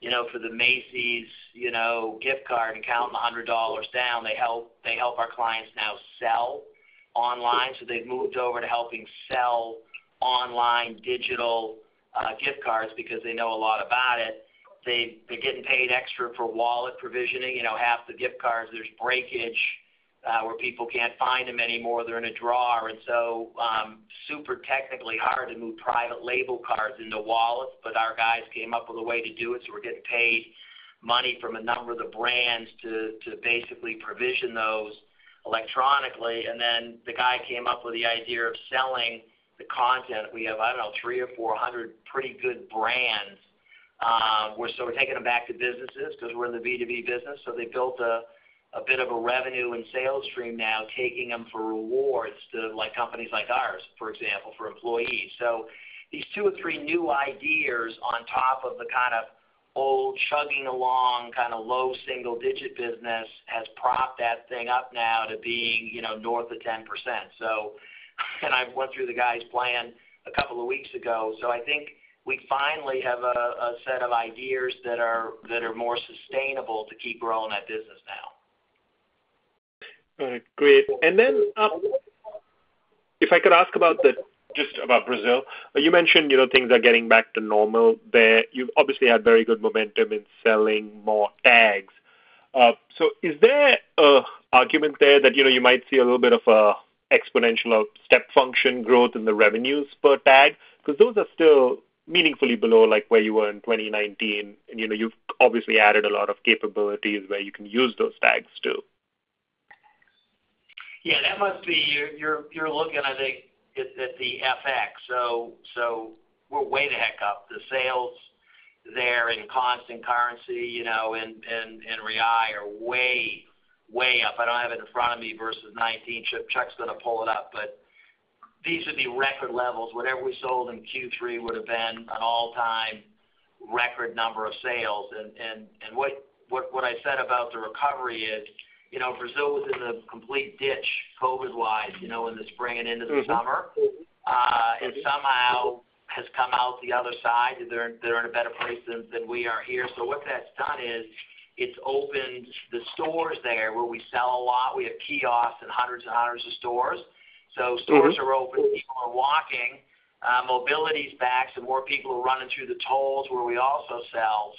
you know, for the Macy's, you know, gift card and count the $100 down, they help our clients now sell online. They've moved over to helping sell online digital gift cards because they know a lot about it. They're getting paid extra for wallet provisioning. You know, half the gift cards, there's breakage, where people can't find them anymore, they're in a drawer. Super technically hard to move private label cards into wallets, but our guys came up with a way to do it, so we're getting paid money from a number of the brands to basically provision those electronically. Then the guy came up with the idea of selling the content. We have, I don't know, 300 or 400 pretty good brands. We're still taking them back to businesses because we're in the B2B business, so they built a bit of a revenue and sales stream now, taking them for rewards to like companies like ours, for example, for employees. These 2 or 3 new ideas on top of the kind of old chugging along, kind of low single digit business has propped that thing up now to being, you know, north of 10%. I went through the guy's plan a couple of weeks ago. I think we finally have a set of ideas that are more sustainable to keep growing that business now. All right, great. If I could ask about just about Brazil. You mentioned, you know, things are getting back to normal there. You've obviously had very good momentum in selling more tags. Is there an argument there that, you know, you might see a little bit of exponential step function growth in the revenues per tag? Because those are still meaningfully below, like, where you were in 2019, and, you know, you've obviously added a lot of capabilities where you can use those tags too. Yeah, that must be. You're looking, I think, at the FX. So we're way the heck up. The sales there in constant currency, you know, in real are way up. I don't have it in front of me versus 2019. Chuck's gonna pull it up, but these would be record levels. Whatever we sold in Q3 would have been an all-time record number of sales. What I said about the recovery is, you know, Brazil was in a complete ditch, COVID-wise, you know, in the spring and into the summer. It somehow has come out the other side. They're in a better place than we are here. What that's done is it's opened the stores there where we sell a lot. We have kiosks in hundreds and hundreds of stores. Stores are open, people are walking. Mobility's back, more people are running through the tolls where we also sell.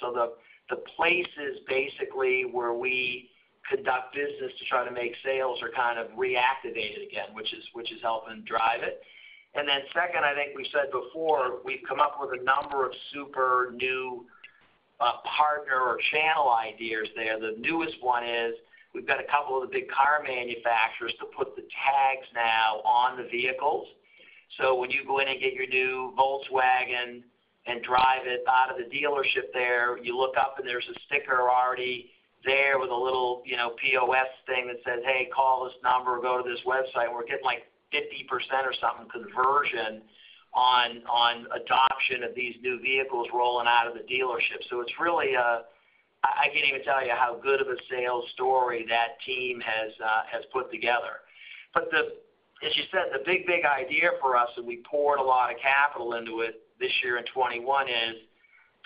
The places basically where we conduct business to try to make sales are kind of reactivated again, which is helping drive it. Then second, I think we said before, we've come up with a number of super new partner or channel ideas there. The newest one is we've got a couple of the big car manufacturers to put the tags now on the vehicles. When you go in and get your new Volkswagen and drive it out of the dealership there, you look up and there's a sticker already there with a little, you know, POS thing that says, "Hey, call this number or go to this website." We're getting, like, 50% or something conversion on adoption of these new vehicles rolling out of the dealership. It's really. I can't even tell you how good of a sales story that team has put together. The... As you said, the big, big idea for us, and we poured a lot of capital into it this year in 2021, is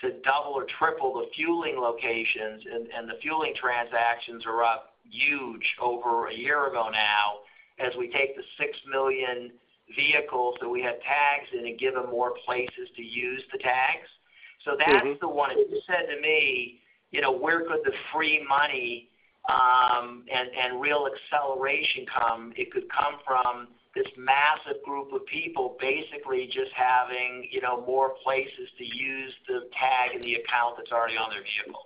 to double or triple the fueling locations, and the fueling transactions are up huge over a year ago now as we take the 6 million vehicles that we had tags in and give them more places to use the tags. That's the one. If you said to me, you know, where could the free money, and real acceleration come? It could come from this massive group of people basically just having, you know, more places to use the tag in the account that's already on their vehicle.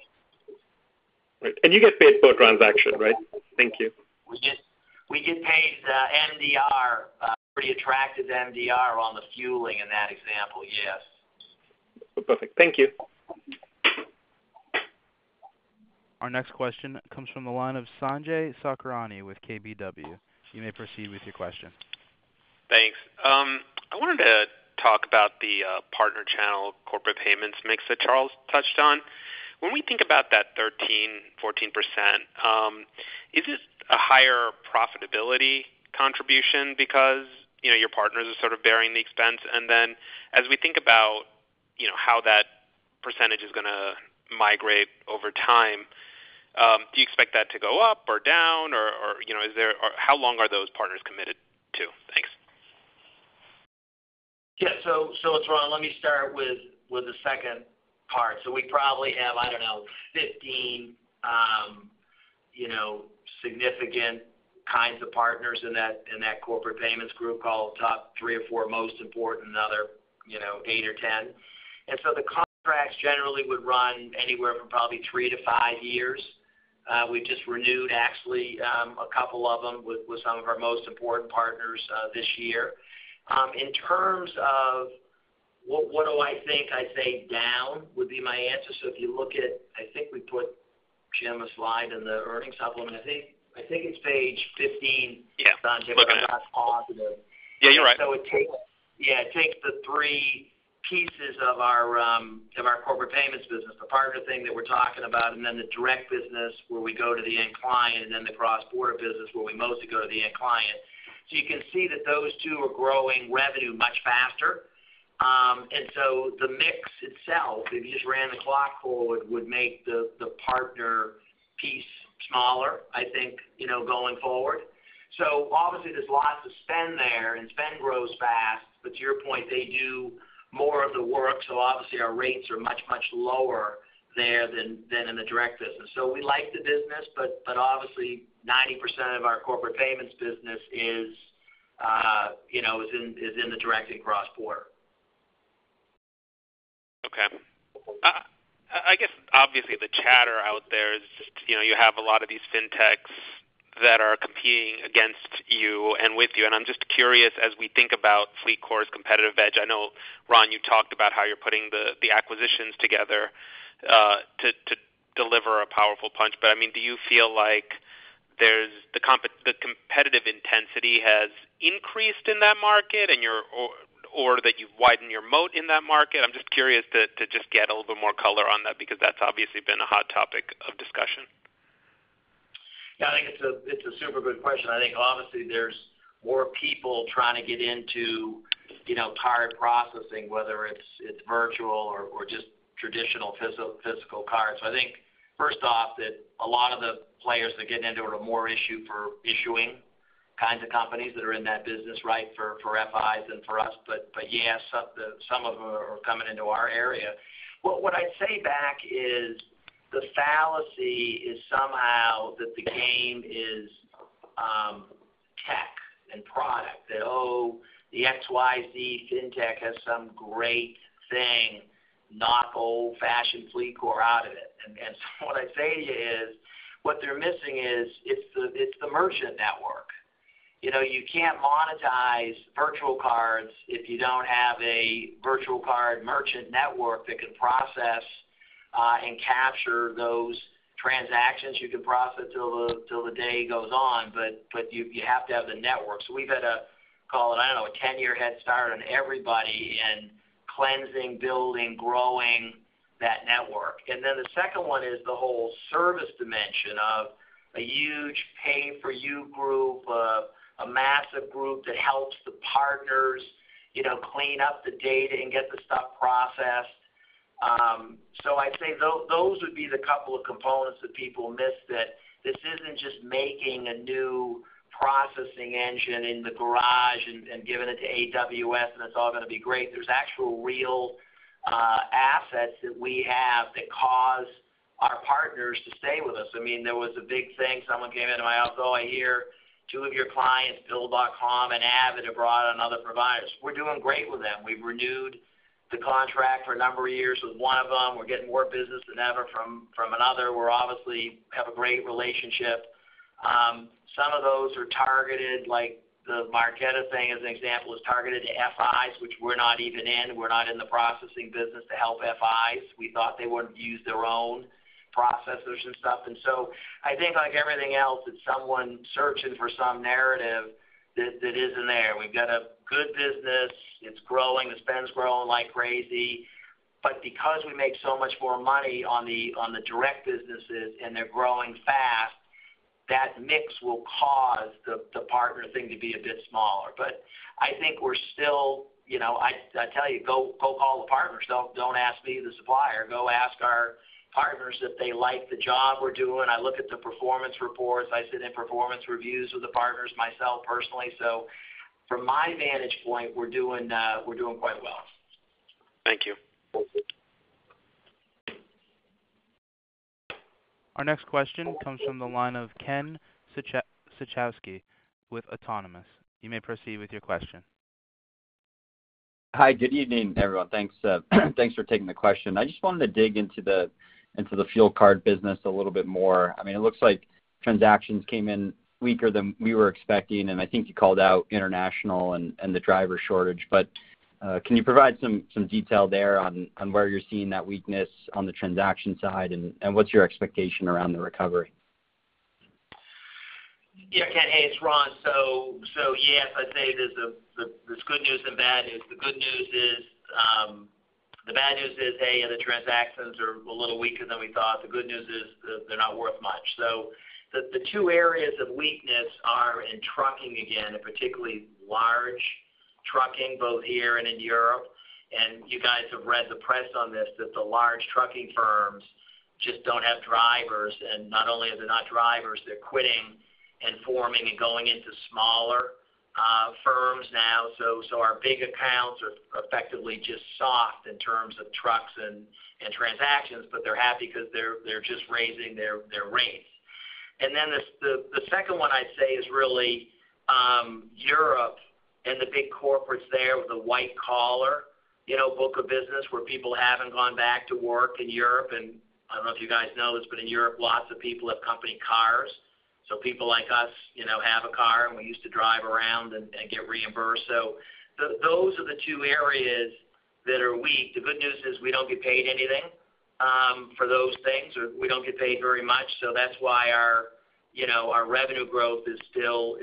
Right. You get paid per transaction, right? Thank you. We get paid MDR, pretty attractive MDR on the fueling in that example, yes. Perfect. Thank you. Our next question comes from the line of Sanjay Sakhrani with KBW. You may proceed with your question. Thanks. I wanted to talk about the partner channel corporate payments mix that Charles touched on. When we think about that 13%-14%, is it a higher profitability contribution because, you know, your partners are sort of bearing the expense? As we think about, you know, how that percentage is gonna migrate over time, do you expect that to go up or down or, you know, is there? How long are those partners committed to? Thanks. Yeah. Let's run. Let me start with the second part. We probably have, I don't know, 15 significant kinds of partners in that corporate payments group: top 3 or 4 most important, another 8 or 10. The contracts generally would run anywhere from probably 3 to 5 years. We just renewed actually a couple of them with some of our most important partners this year. In terms of what do I think, I'd say down would be my answer. If you look at, I think we put, Jim, a slide in the earnings supplement. I think it's Page 15. Yeah. -Sanjay. Okay. That's positive. Yeah, you're right. It takes the 3 pieces of our corporate payments business, the partner thing that we're talking about, and then the direct business where we go to the end client, and then the cross-border business where we mostly go to the end client. You can see that those two are growing revenue much faster. The mix itself, if you just ran the clock forward, would make the partner piece smaller, I think, you know, going forward. Obviously there's lots of spend there and spend grows fast. To your point, they do more of the work, so obviously our rates are much lower there than in the direct business. We like the business, but obviously 90% of our corporate payments business is, you know, in the direct and cross-border. Okay. I guess obviously the chatter out there is just, you know, you have a lot of these fintechs that are competing against you and with you, and I'm just curious as we think about FleetCor's competitive edge. I know, Ron, you talked about how you're putting the acquisitions together to deliver a powerful punch. I mean, do you feel like the competitive intensity has increased in that market and you're or that you've widened your moat in that market? I'm just curious to just get a little bit more color on that because that's obviously been a hot topic of discussion. Yeah. I think it's a super good question. I think obviously there's more people trying to get into, you know, card processing, whether it's virtual or just traditional physical cards. I think first off, that a lot of the players that get into it are more of an issue for issuing kinds of companies that are in that business, right, for FIs than for us. But yeah, some of them are coming into our area. What I'd say back is the fallacy is somehow that the game is tech and product. That, oh, the XYZ fintech has some great thing, knock old-fashioned FleetCor out of it. So what I'd say to you is, what they're missing is, it's the merchant network. You know, you can't monetize virtual cards if you don't have a virtual card merchant network that can process and capture those transactions. You can profit till the day goes on, but you have to have the network. We've had a, call it, I don't know, a 10-year head start on everybody in cleansing, building, growing that network. Then the second one is the whole service dimension of a huge pay-for-you group, a massive group that helps the partners, you know, clean up the data and get the stuff processed. I'd say those would be the couple of components that people miss that this isn't just making a new processing engine in the garage and giving it to AWS, and it's all gonna be great. There's actual real assets that we have that cause our partners to stay with us. I mean, there was a big thing. Someone came into my office, oh, I hear 2 of your clients, Bill.com and AvidXchange, have brought on other providers. We're doing great with them. We've renewed the contract for a number of years with one of them. We're getting more business than ever from another. We're obviously have a great relationship. Some of those are targeted, like the Marqeta thing, as an example, is targeted to FIs, which we're not even in. We're not in the processing business to help FIs. We thought they would use their own processors and stuff. I think like everything else, it's someone searching for some narrative that isn't there. We've got a good business. It's growing. The spend's growing like crazy. Because we make so much more money on the direct businesses and they're growing fast, that mix will cause the partner thing to be a bit smaller. I think we're still you know, I tell you, go call the partners. Don't ask me, the supplier. Go ask our partners if they like the job we're doing. I look at the performance reports. I sit in performance reviews with the partners myself personally. From my vantage point, we're doing quite well. Thank you. Thank you. Our next question comes from the line of Ken Suchoski with Autonomous. You may proceed with your question. Hi, good evening, everyone. Thanks, thanks for taking the question. I just wanted to dig into the fuel card business a little bit more. I mean, it looks like transactions came in weaker than we were expecting, and I think you called out international and the driver shortage. Can you provide some detail there on where you're seeing that weakness on the transaction side? And what's your expectation around the recovery? Yeah. Ken, hey, it's Ron. So yes, I'd say there's good news and bad news. The good news is. The bad news is A, the transactions are a little weaker than we thought. The good news is they're not worth much. So the two areas of weakness are in trucking again, and particularly large trucking, both here and in Europe. You guys have read the press on this, that the large trucking firms just don't have drivers. Not only are there not drivers, they're quitting and forming and going into smaller firms now. Our big accounts are effectively just soft in terms of trucks and transactions, but they're happy because they're just raising their rates. The second one I'd say is really Europe and the big corporates there with the white collar, you know, book of business where people haven't gone back to work in Europe. I don't know if you guys know this, but in Europe, lots of people have company cars. People like us, you know, have a car, and we used to drive around and get reimbursed. Those are the two areas that are weak. The good news is we don't get paid anything for those things, or we don't get paid very much. That's why our, you know, our revenue growth is still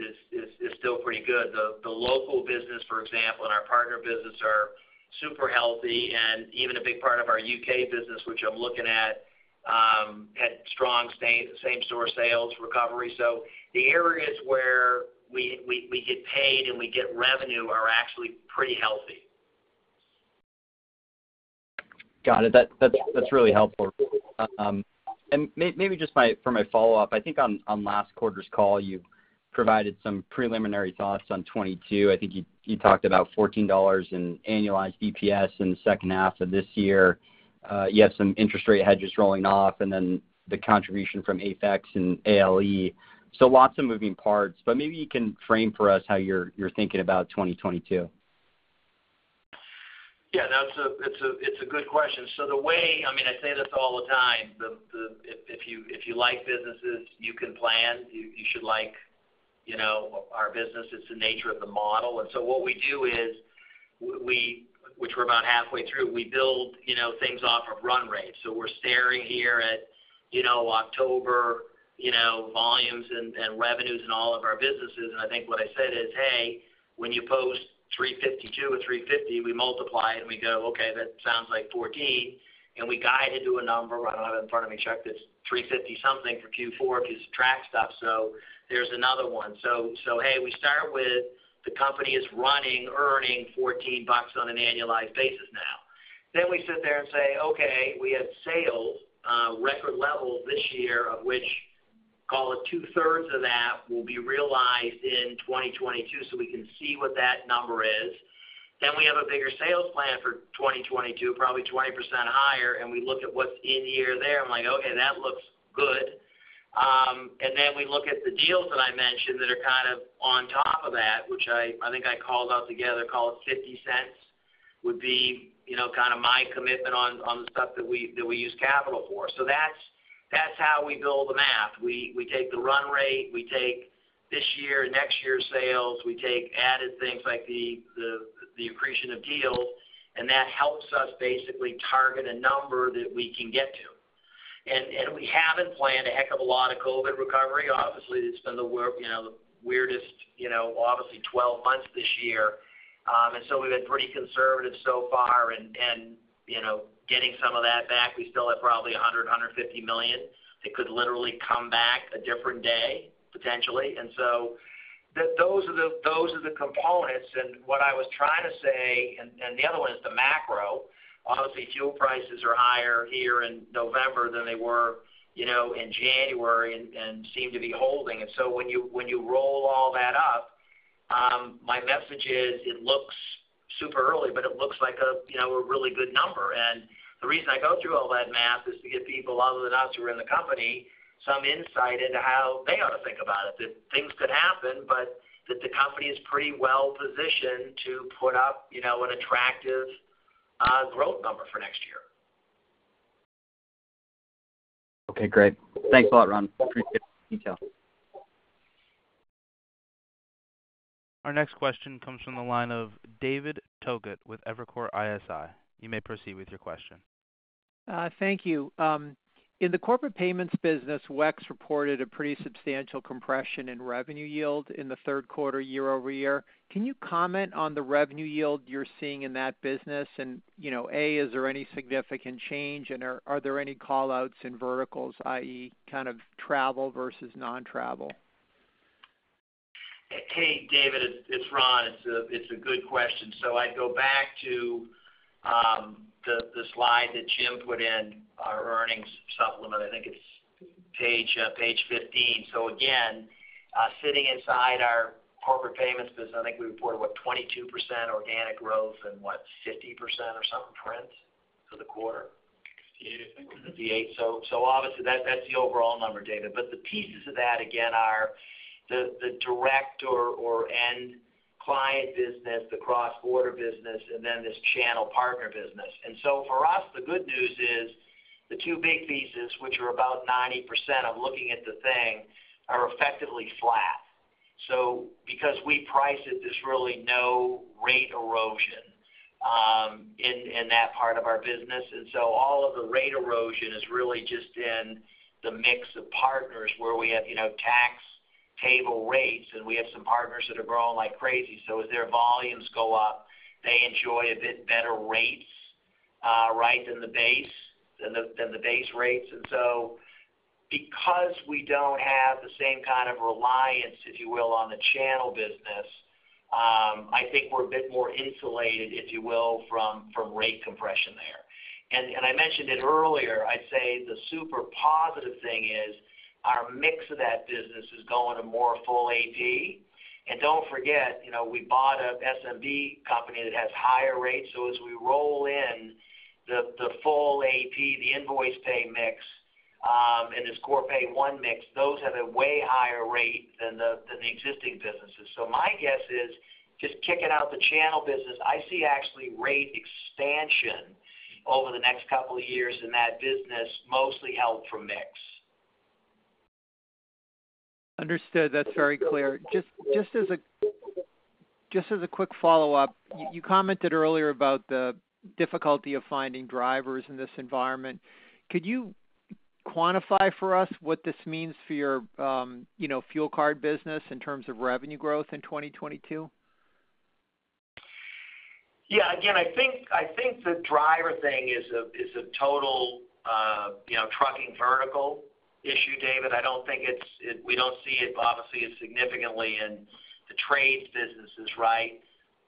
pretty good. The local business, for example, and our partner business are super healthy. Even a big part of our U.K. business, which I'm looking at, had strong same-store sales recovery. The areas where we get paid and we get revenue are actually pretty healthy. Got it. That's really helpful. For my follow-up, I think on last quarter's call, you provided some preliminary thoughts on 2022. I think you talked about $14 in annualized EPS in the second half of this year. You have some interest rate hedges rolling off and then the contribution from AFEX and ALE. Lots of moving parts. Maybe you can frame for us how you're thinking about 2022. Yeah, that's a good question. I mean, I say this all the time. If you like businesses you can plan, you should like our business. It's the nature of the model. What we do is, which we're about halfway through, we build things off of run rate. We're staring here at October volumes and revenues in all of our businesses. I think what I said is, "Hey, when you post $352 million or $350 million, we multiply it and we go, 'Okay, that sounds like $1.4 billion.' We guide it to a number." I don't have it in front of me, Chuck, that's $350-something million for Q4 because of track stuff. There's another one. We start with the company running, earning $14 on an annualized basis now. We sit there and say, "Okay, we have sales record levels this year, of which, call it two-thirds of that will be realized in 2022, so we can see what that number is." We have a bigger sales plan for 2022, probably 20% higher, and we look at what's in there. I'm like, "Okay, that looks good." We look at the deals that I mentioned that are kind of on top of that, which I think I called out together, call it $0.50 would be, you know, kind of my commitment on the stuff that we use capital for. That's how we build the math. We take the run rate, we take this year, next year sales, we take added things like the accretion of deals, and that helps us basically target a number that we can get to. We haven't planned a heck of a lot of COVID recovery. Obviously, it's been the weirdest, you know, obviously 12 months this year. We've been pretty conservative so far. You know, getting some of that back, we still have probably $150 million that could literally come back a different day, potentially. Those are the components. What I was trying to say, and the other one is the macro. Obviously, fuel prices are higher here in November than they were, you know, in January and seem to be holding. When you roll all that up, my message is it looks super early, but it looks like a you know a really good number. The reason I go through all that math is to give people other than us who are in the company some insight into how they ought to think about it. That things could happen, but that the company is pretty well positioned to put up you know an attractive growth number for next year. Okay, great. Thanks a lot, Ron. Appreciate the detail. Our next question comes from the line of David Togut with Evercore ISI. You may proceed with your question. Thank you. In the corporate payments business, WEX reported a pretty substantial compression in revenue yield in the third quarter year-over-year. Can you comment on the revenue yield you're seeing in that business? And you know, A, is there any significant change? And are there any call-outs in verticals, i.e., kind of travel versus non-travel? Hey, David, it's Ron. It's a good question. I'd go back to the slide that Jim put in our earnings supplement. I think it's Page 15. Again, sitting inside our corporate payments business, I think we reported, what, 22% organic growth and, what, 50% or something prints for the quarter. 58, I think. 58. Obviously that's the overall number, David. The pieces of that, again, are the direct or end client business, the cross-border business, and then this channel partner business. For us, the good news is the two big pieces, which are about 90% of looking at the thing, are effectively flat. Because we price it, there's really no rate erosion in that part of our business. All of the rate erosion is really just in the mix of partners where we have, you know, tapered rates, and we have some partners that are growing like crazy. As their volumes go up, they enjoy a bit better rates, right, than the base rates. Because we don't have the same kind of reliance, if you will, on the channel business, I think we're a bit more insulated, if you will, from rate compression there. I mentioned it earlier, I'd say the super positive thing is our mix of that business is going to more full AP. Don't forget, you know, we bought a SMB company that has higher rates. As we roll in the full AP, the invoice pay mix, and this Corpay One mix, those have a way higher rate than the existing businesses. My guess is just kicking out the channel business, I see actually rate expansion over the next couple of years in that business, mostly help from mix. Understood. That's very clear. Just as a quick follow-up, you commented earlier about the difficulty of finding drivers in this environment. Could you quantify for us what this means for your, you know, fuel card business in terms of revenue growth in 2022? Yeah, again, I think the driver thing is a total, you know, trucking vertical issue, David. We don't see it, obviously, as significantly in the trades businesses, right?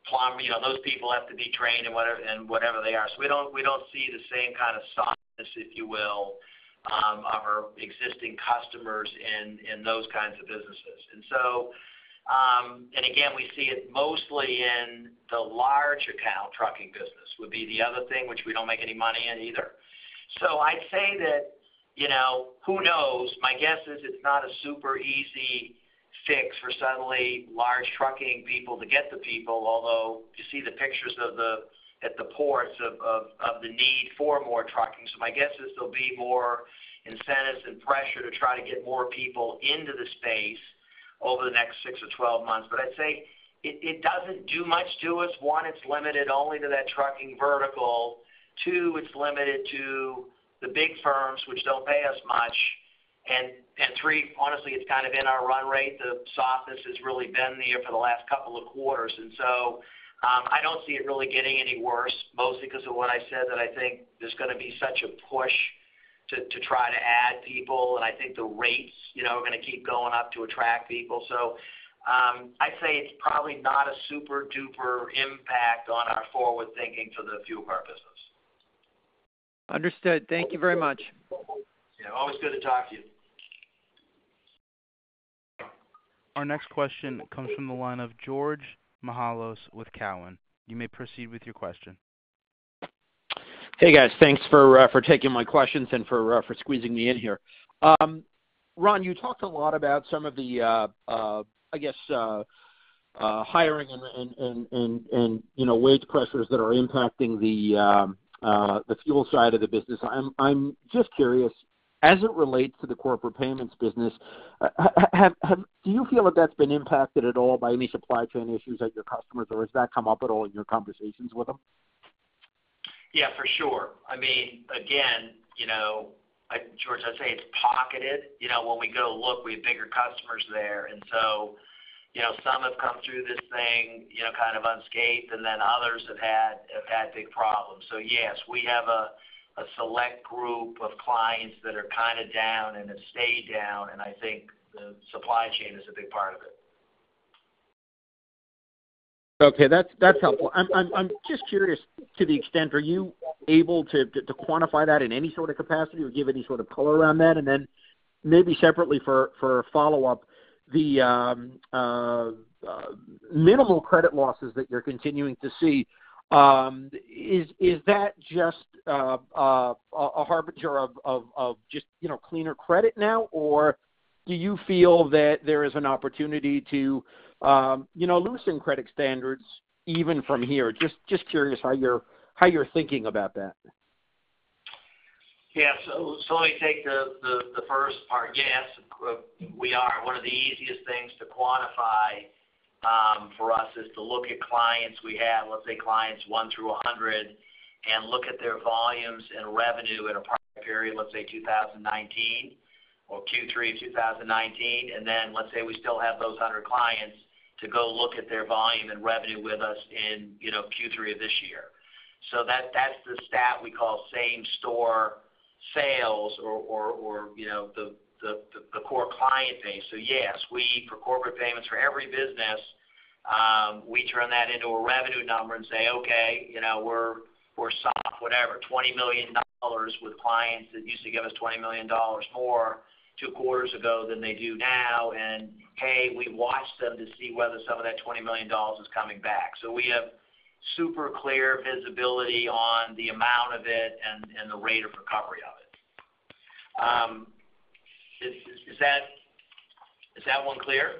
Plumbing, you know, those people have to be trained in whatever they are. We don't see the same kind of softness, if you will, of our existing customers in those kinds of businesses. Again, we see it mostly in the large account trucking business, would be the other thing which we don't make any money in either. I'd say that, you know, who knows? My guess is it's not a super easy fix for suddenly large trucking people to get the people, although you see the pictures at the ports of the need for more trucking. My guess is there'll be more incentives and pressure to try to get more people into the space over the next 6 or 12 months. I'd say it doesn't do much to us. One, it's limited only to that trucking vertical. Two, it's limited to the big firms which don't pay us much. And 3, honestly, it's kind of in our run rate. The softness has really been there for the last couple of quarters. I don't see it really getting any worse, mostly 'cause of what I said, that I think there's gonna be such a push to try to add people, and I think the rates, you know, are gonna keep going up to attract people. I'd say it's probably not a super-duper impact on our forward thinking for the fuel card business. Understood. Thank you very much. Yeah, always good to talk to you. Our next question comes from the line of George Mihalos with Cowen. You may proceed with your question. Hey, guys. Thanks for taking my questions and for squeezing me in here. Ron, you talked a lot about some of the, I guess, hiring and, you know, wage pressures that are impacting the fuel side of the business. I'm just curious, as it relates to the corporate payments business, do you feel that that's been impacted at all by any supply chain issues at your customers, or has that come up at all in your conversations with them? Yeah, for sure. I mean, again, you know, George, I'd say it's pocketed. You know, when we go look, we have bigger customers there. And so, you know, some have come through this thing, you know, kind of unscathed, and then others have had big problems. So yes, we have a select group of clients that are kind of down and have stayed down, and I think the supply chain is a big part of it. Okay, that's helpful. I'm just curious to the extent are you able to quantify that in any sort of capacity or give any sort of color around that? Then maybe separately for a follow-up, the minimal credit losses that you're continuing to see, is that just a harbinger of just you know cleaner credit now? Or do you feel that there is an opportunity to you know loosen credit standards even from here? Just curious how you're thinking about that. Yeah. Let me take the first part. Yes, we are. One of the easiest things to quantify for us is to look at clients we have, let's say clients 1 through 100, and look at their volumes and revenue in a prior period, let's say 2019 or Q3 2019. Then let's say we still have those 100 clients to go look at their volume and revenue with us in Q3 of this year. That's the stat we call same store sales or the core client base. Yes, we for corporate payments for every business, we turn that into a revenue number and say, okay, you know, we're soft, whatever, $20 million with clients that used to give us $20 million more 2 quarters ago than they do now. Hey, we watch them to see whether some of that $20 million is coming back. We have super clear visibility on the amount of it and the rate of recovery of it. Is that one clear?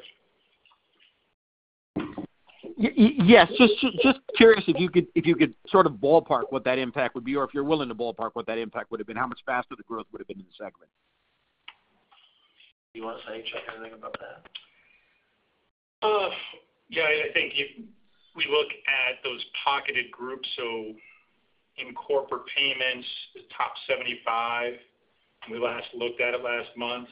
Yes. Just curious if you could sort of ballpark what that impact would be, or if you're willing to ballpark what that impact would have been, how much faster the growth would have been in the segment. You wanna say anything about that? Yeah, I think if we look at those pocketed groups, so in corporate payments, the top 75, we last looked at it last month.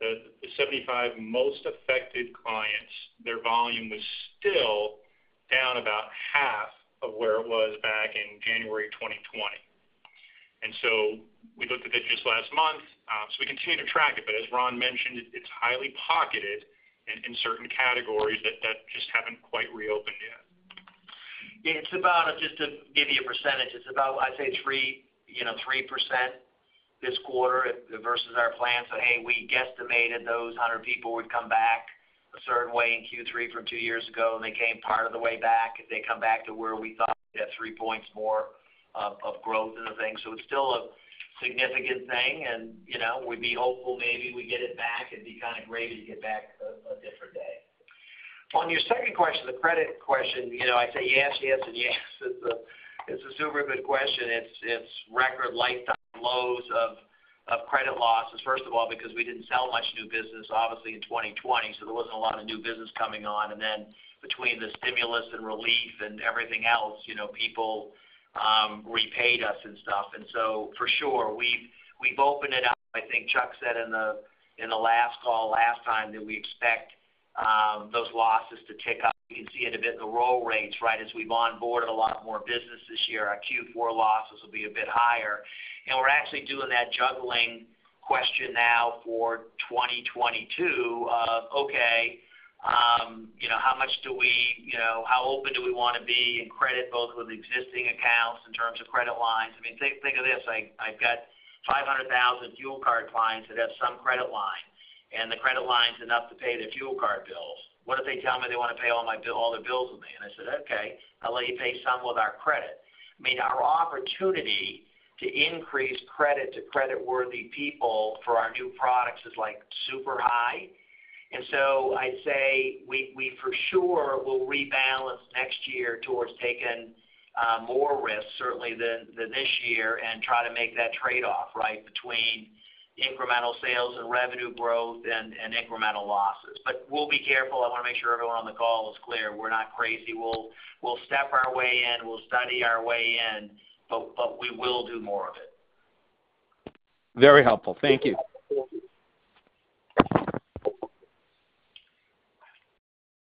The 75 most affected clients, their volume was still down about half of where it was back in January 2020. We looked at it just last month. We continue to track it. As Ron mentioned, it's highly pocketed in certain categories that just haven't quite reopened yet. It's about, just to give you a percentage, it's about, I'd say 3%, you know, this quarter versus our plan. Hey, we guesstimated those 100 people would come back a certain way in Q3 from 2 years ago, and they came part of the way back. If they come back to where we thought, we'd get 3 points more of growth in the thing. It's still a significant thing and, you know, we'd be hopeful maybe we get it back. It'd be kind of great if you get back a different day. On your second question, the credit question, you know, I say yes, and yes. It's a super good question. It's record lifetime lows of credit losses, first of all, because we didn't sell much new business obviously in 2020, so there wasn't a lot of new business coming on. Between the stimulus and relief and everything else, you know, people repaid us and stuff. For sure, we've opened it up. I think Chuck said in the last call last time that we expect those losses to tick up. You can see it a bit in the roll rates, right? As we've onboarded a lot more business this year, our Q4 losses will be a bit higher. We're actually doing that juggling question now for 2022 of, okay, you know, how much do we, you know, how open do we wanna be in credit, both with existing accounts in terms of credit lines? I mean, think of this. I've got 500,000 fuel card clients that have some credit line, and the credit line's enough to pay their fuel card bills. What if they tell me they wanna pay all their bills with me? And I said, "Okay, I'll let you pay some with our credit." I mean, our opportunity to increase credit to creditworthy people for our new products is, like, super high. So I'd say we for sure will rebalance next year towards taking more risks certainly than this year and try to make that trade-off, right, between incremental sales and revenue growth and incremental losses. But we'll be careful. I wanna make sure everyone on the call is clear. We're not crazy. We'll step our way in. We'll study our way in, but we will do more of it. Very helpful. Thank you.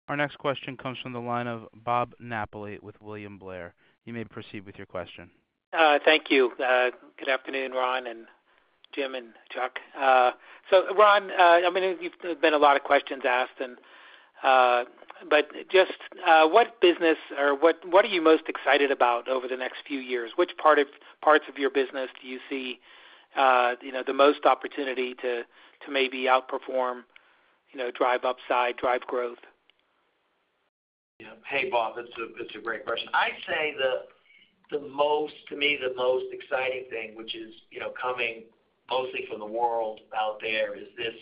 Our next question comes from the line of Bob Napoli with William Blair. You may proceed with your question. Thank you. Good afternoon, Ron and Jim and Chuck. Ron, I mean, there's been a lot of questions asked and, but just, what business or what are you most excited about over the next few years? Which parts of your business do you see the most opportunity to maybe outperform, you know, drive upside, drive growth? Yeah. Hey, Bob. It's a great question. I'd say to me, the most exciting thing, which is, you know, coming mostly from the world out there, is this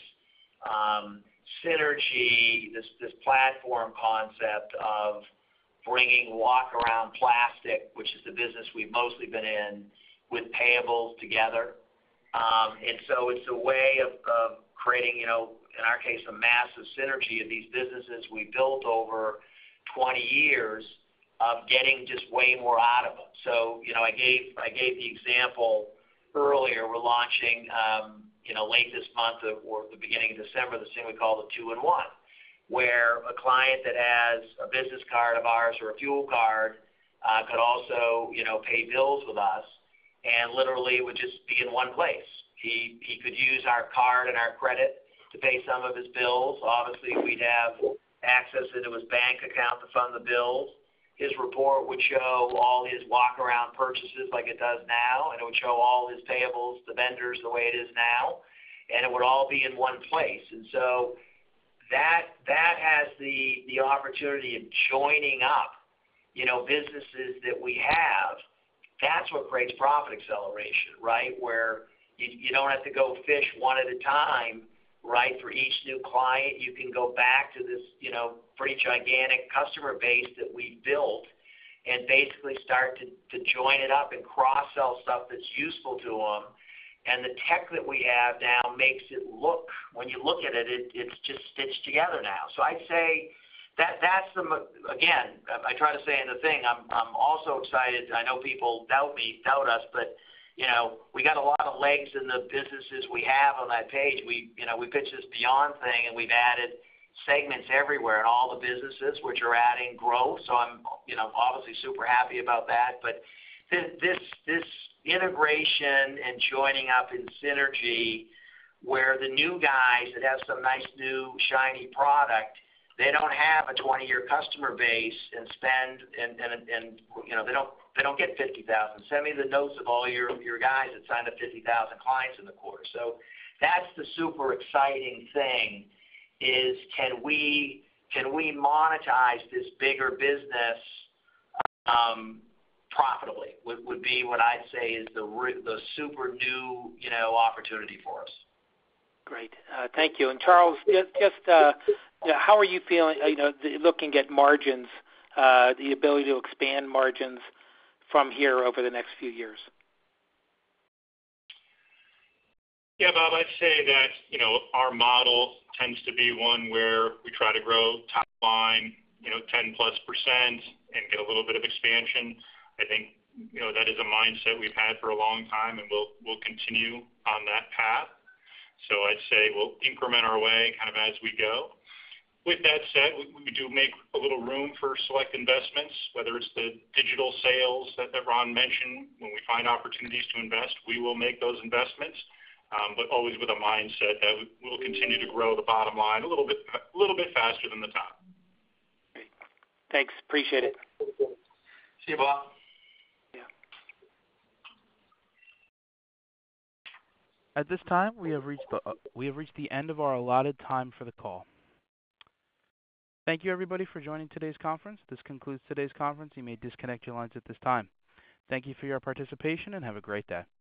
synergy, this platform concept of bringing walk-around plastic, which is the business we've mostly been in, with payables together. It's a way of creating, you know, in our case, a massive synergy of these businesses we built over 20 years of getting just way more out of them. You know, I gave the example earlier. We're launching, you know, late this month or the beginning of December this thing we call the 2-in-1, where a client that has a business card of ours or a fuel card could also, you know, pay bills with us and literally would just be in one place. He could use our card and our credit to pay some of his bills. Obviously, we'd have access into his bank account to fund the bills. His report would show all his walk-around purchases like it does now, and it would show all of his payables, the vendors, the way it is now, and it would all be in one place. That has the opportunity of joining up, you know, businesses that we have. That's what creates profit acceleration, right? Where you don't have to go fish one at a time, right? For each new client, you can go back to this, you know, pretty gigantic customer base that we built and basically start to join it up and cross-sell stuff that's useful to them. The tech that we have now makes it look. When you look at it's just stitched together now. I'd say that that's. Again, I try to say in the thing, I'm also excited. I know people doubt me, doubt us, but you know, we got a lot of legs in the businesses we have on that page. You know, we pitched this Beyond thing, and we've added segments everywhere in all the businesses which are adding growth. I'm you know, obviously super happy about that. This integration and joining up in synergy, where the new guys that have some nice, new, shiny product, they don't have a 20-year customer base and spend and you know, they don't get 50,000. Send me the notes of all your guys that signed up 50,000 clients in the quarter. That's the super exciting thing is can we monetize this bigger business profitably. Would be what I'd say is the super new, you know, opportunity for us. Great. Thank you. Charles, just how are you feeling, you know, looking at margins, the ability to expand margins from here over the next few years? Yeah, Bob, I'd say that, you know, our model tends to be one where we try to grow top line, you know, 10%+ and get a little bit of expansion. I think, you know, that is a mindset we've had for a long time, and we'll continue on that path. I'd say we'll increment our way kind of as we go. With that said, we do make a little room for select investments, whether it's the digital sales that Ron mentioned. When we find opportunities to invest, we will make those investments, but always with a mindset that we'll continue to grow the bottom line a little bit faster than the top. Great. Thanks. Appreciate it. See you, Bob. Yeah. At this time, we have reached the end of our allotted time for the call. Thank you everybody for joining today's conference. This concludes today's conference. You may disconnect your lines at this time. Thank you for your participation, and have a great day.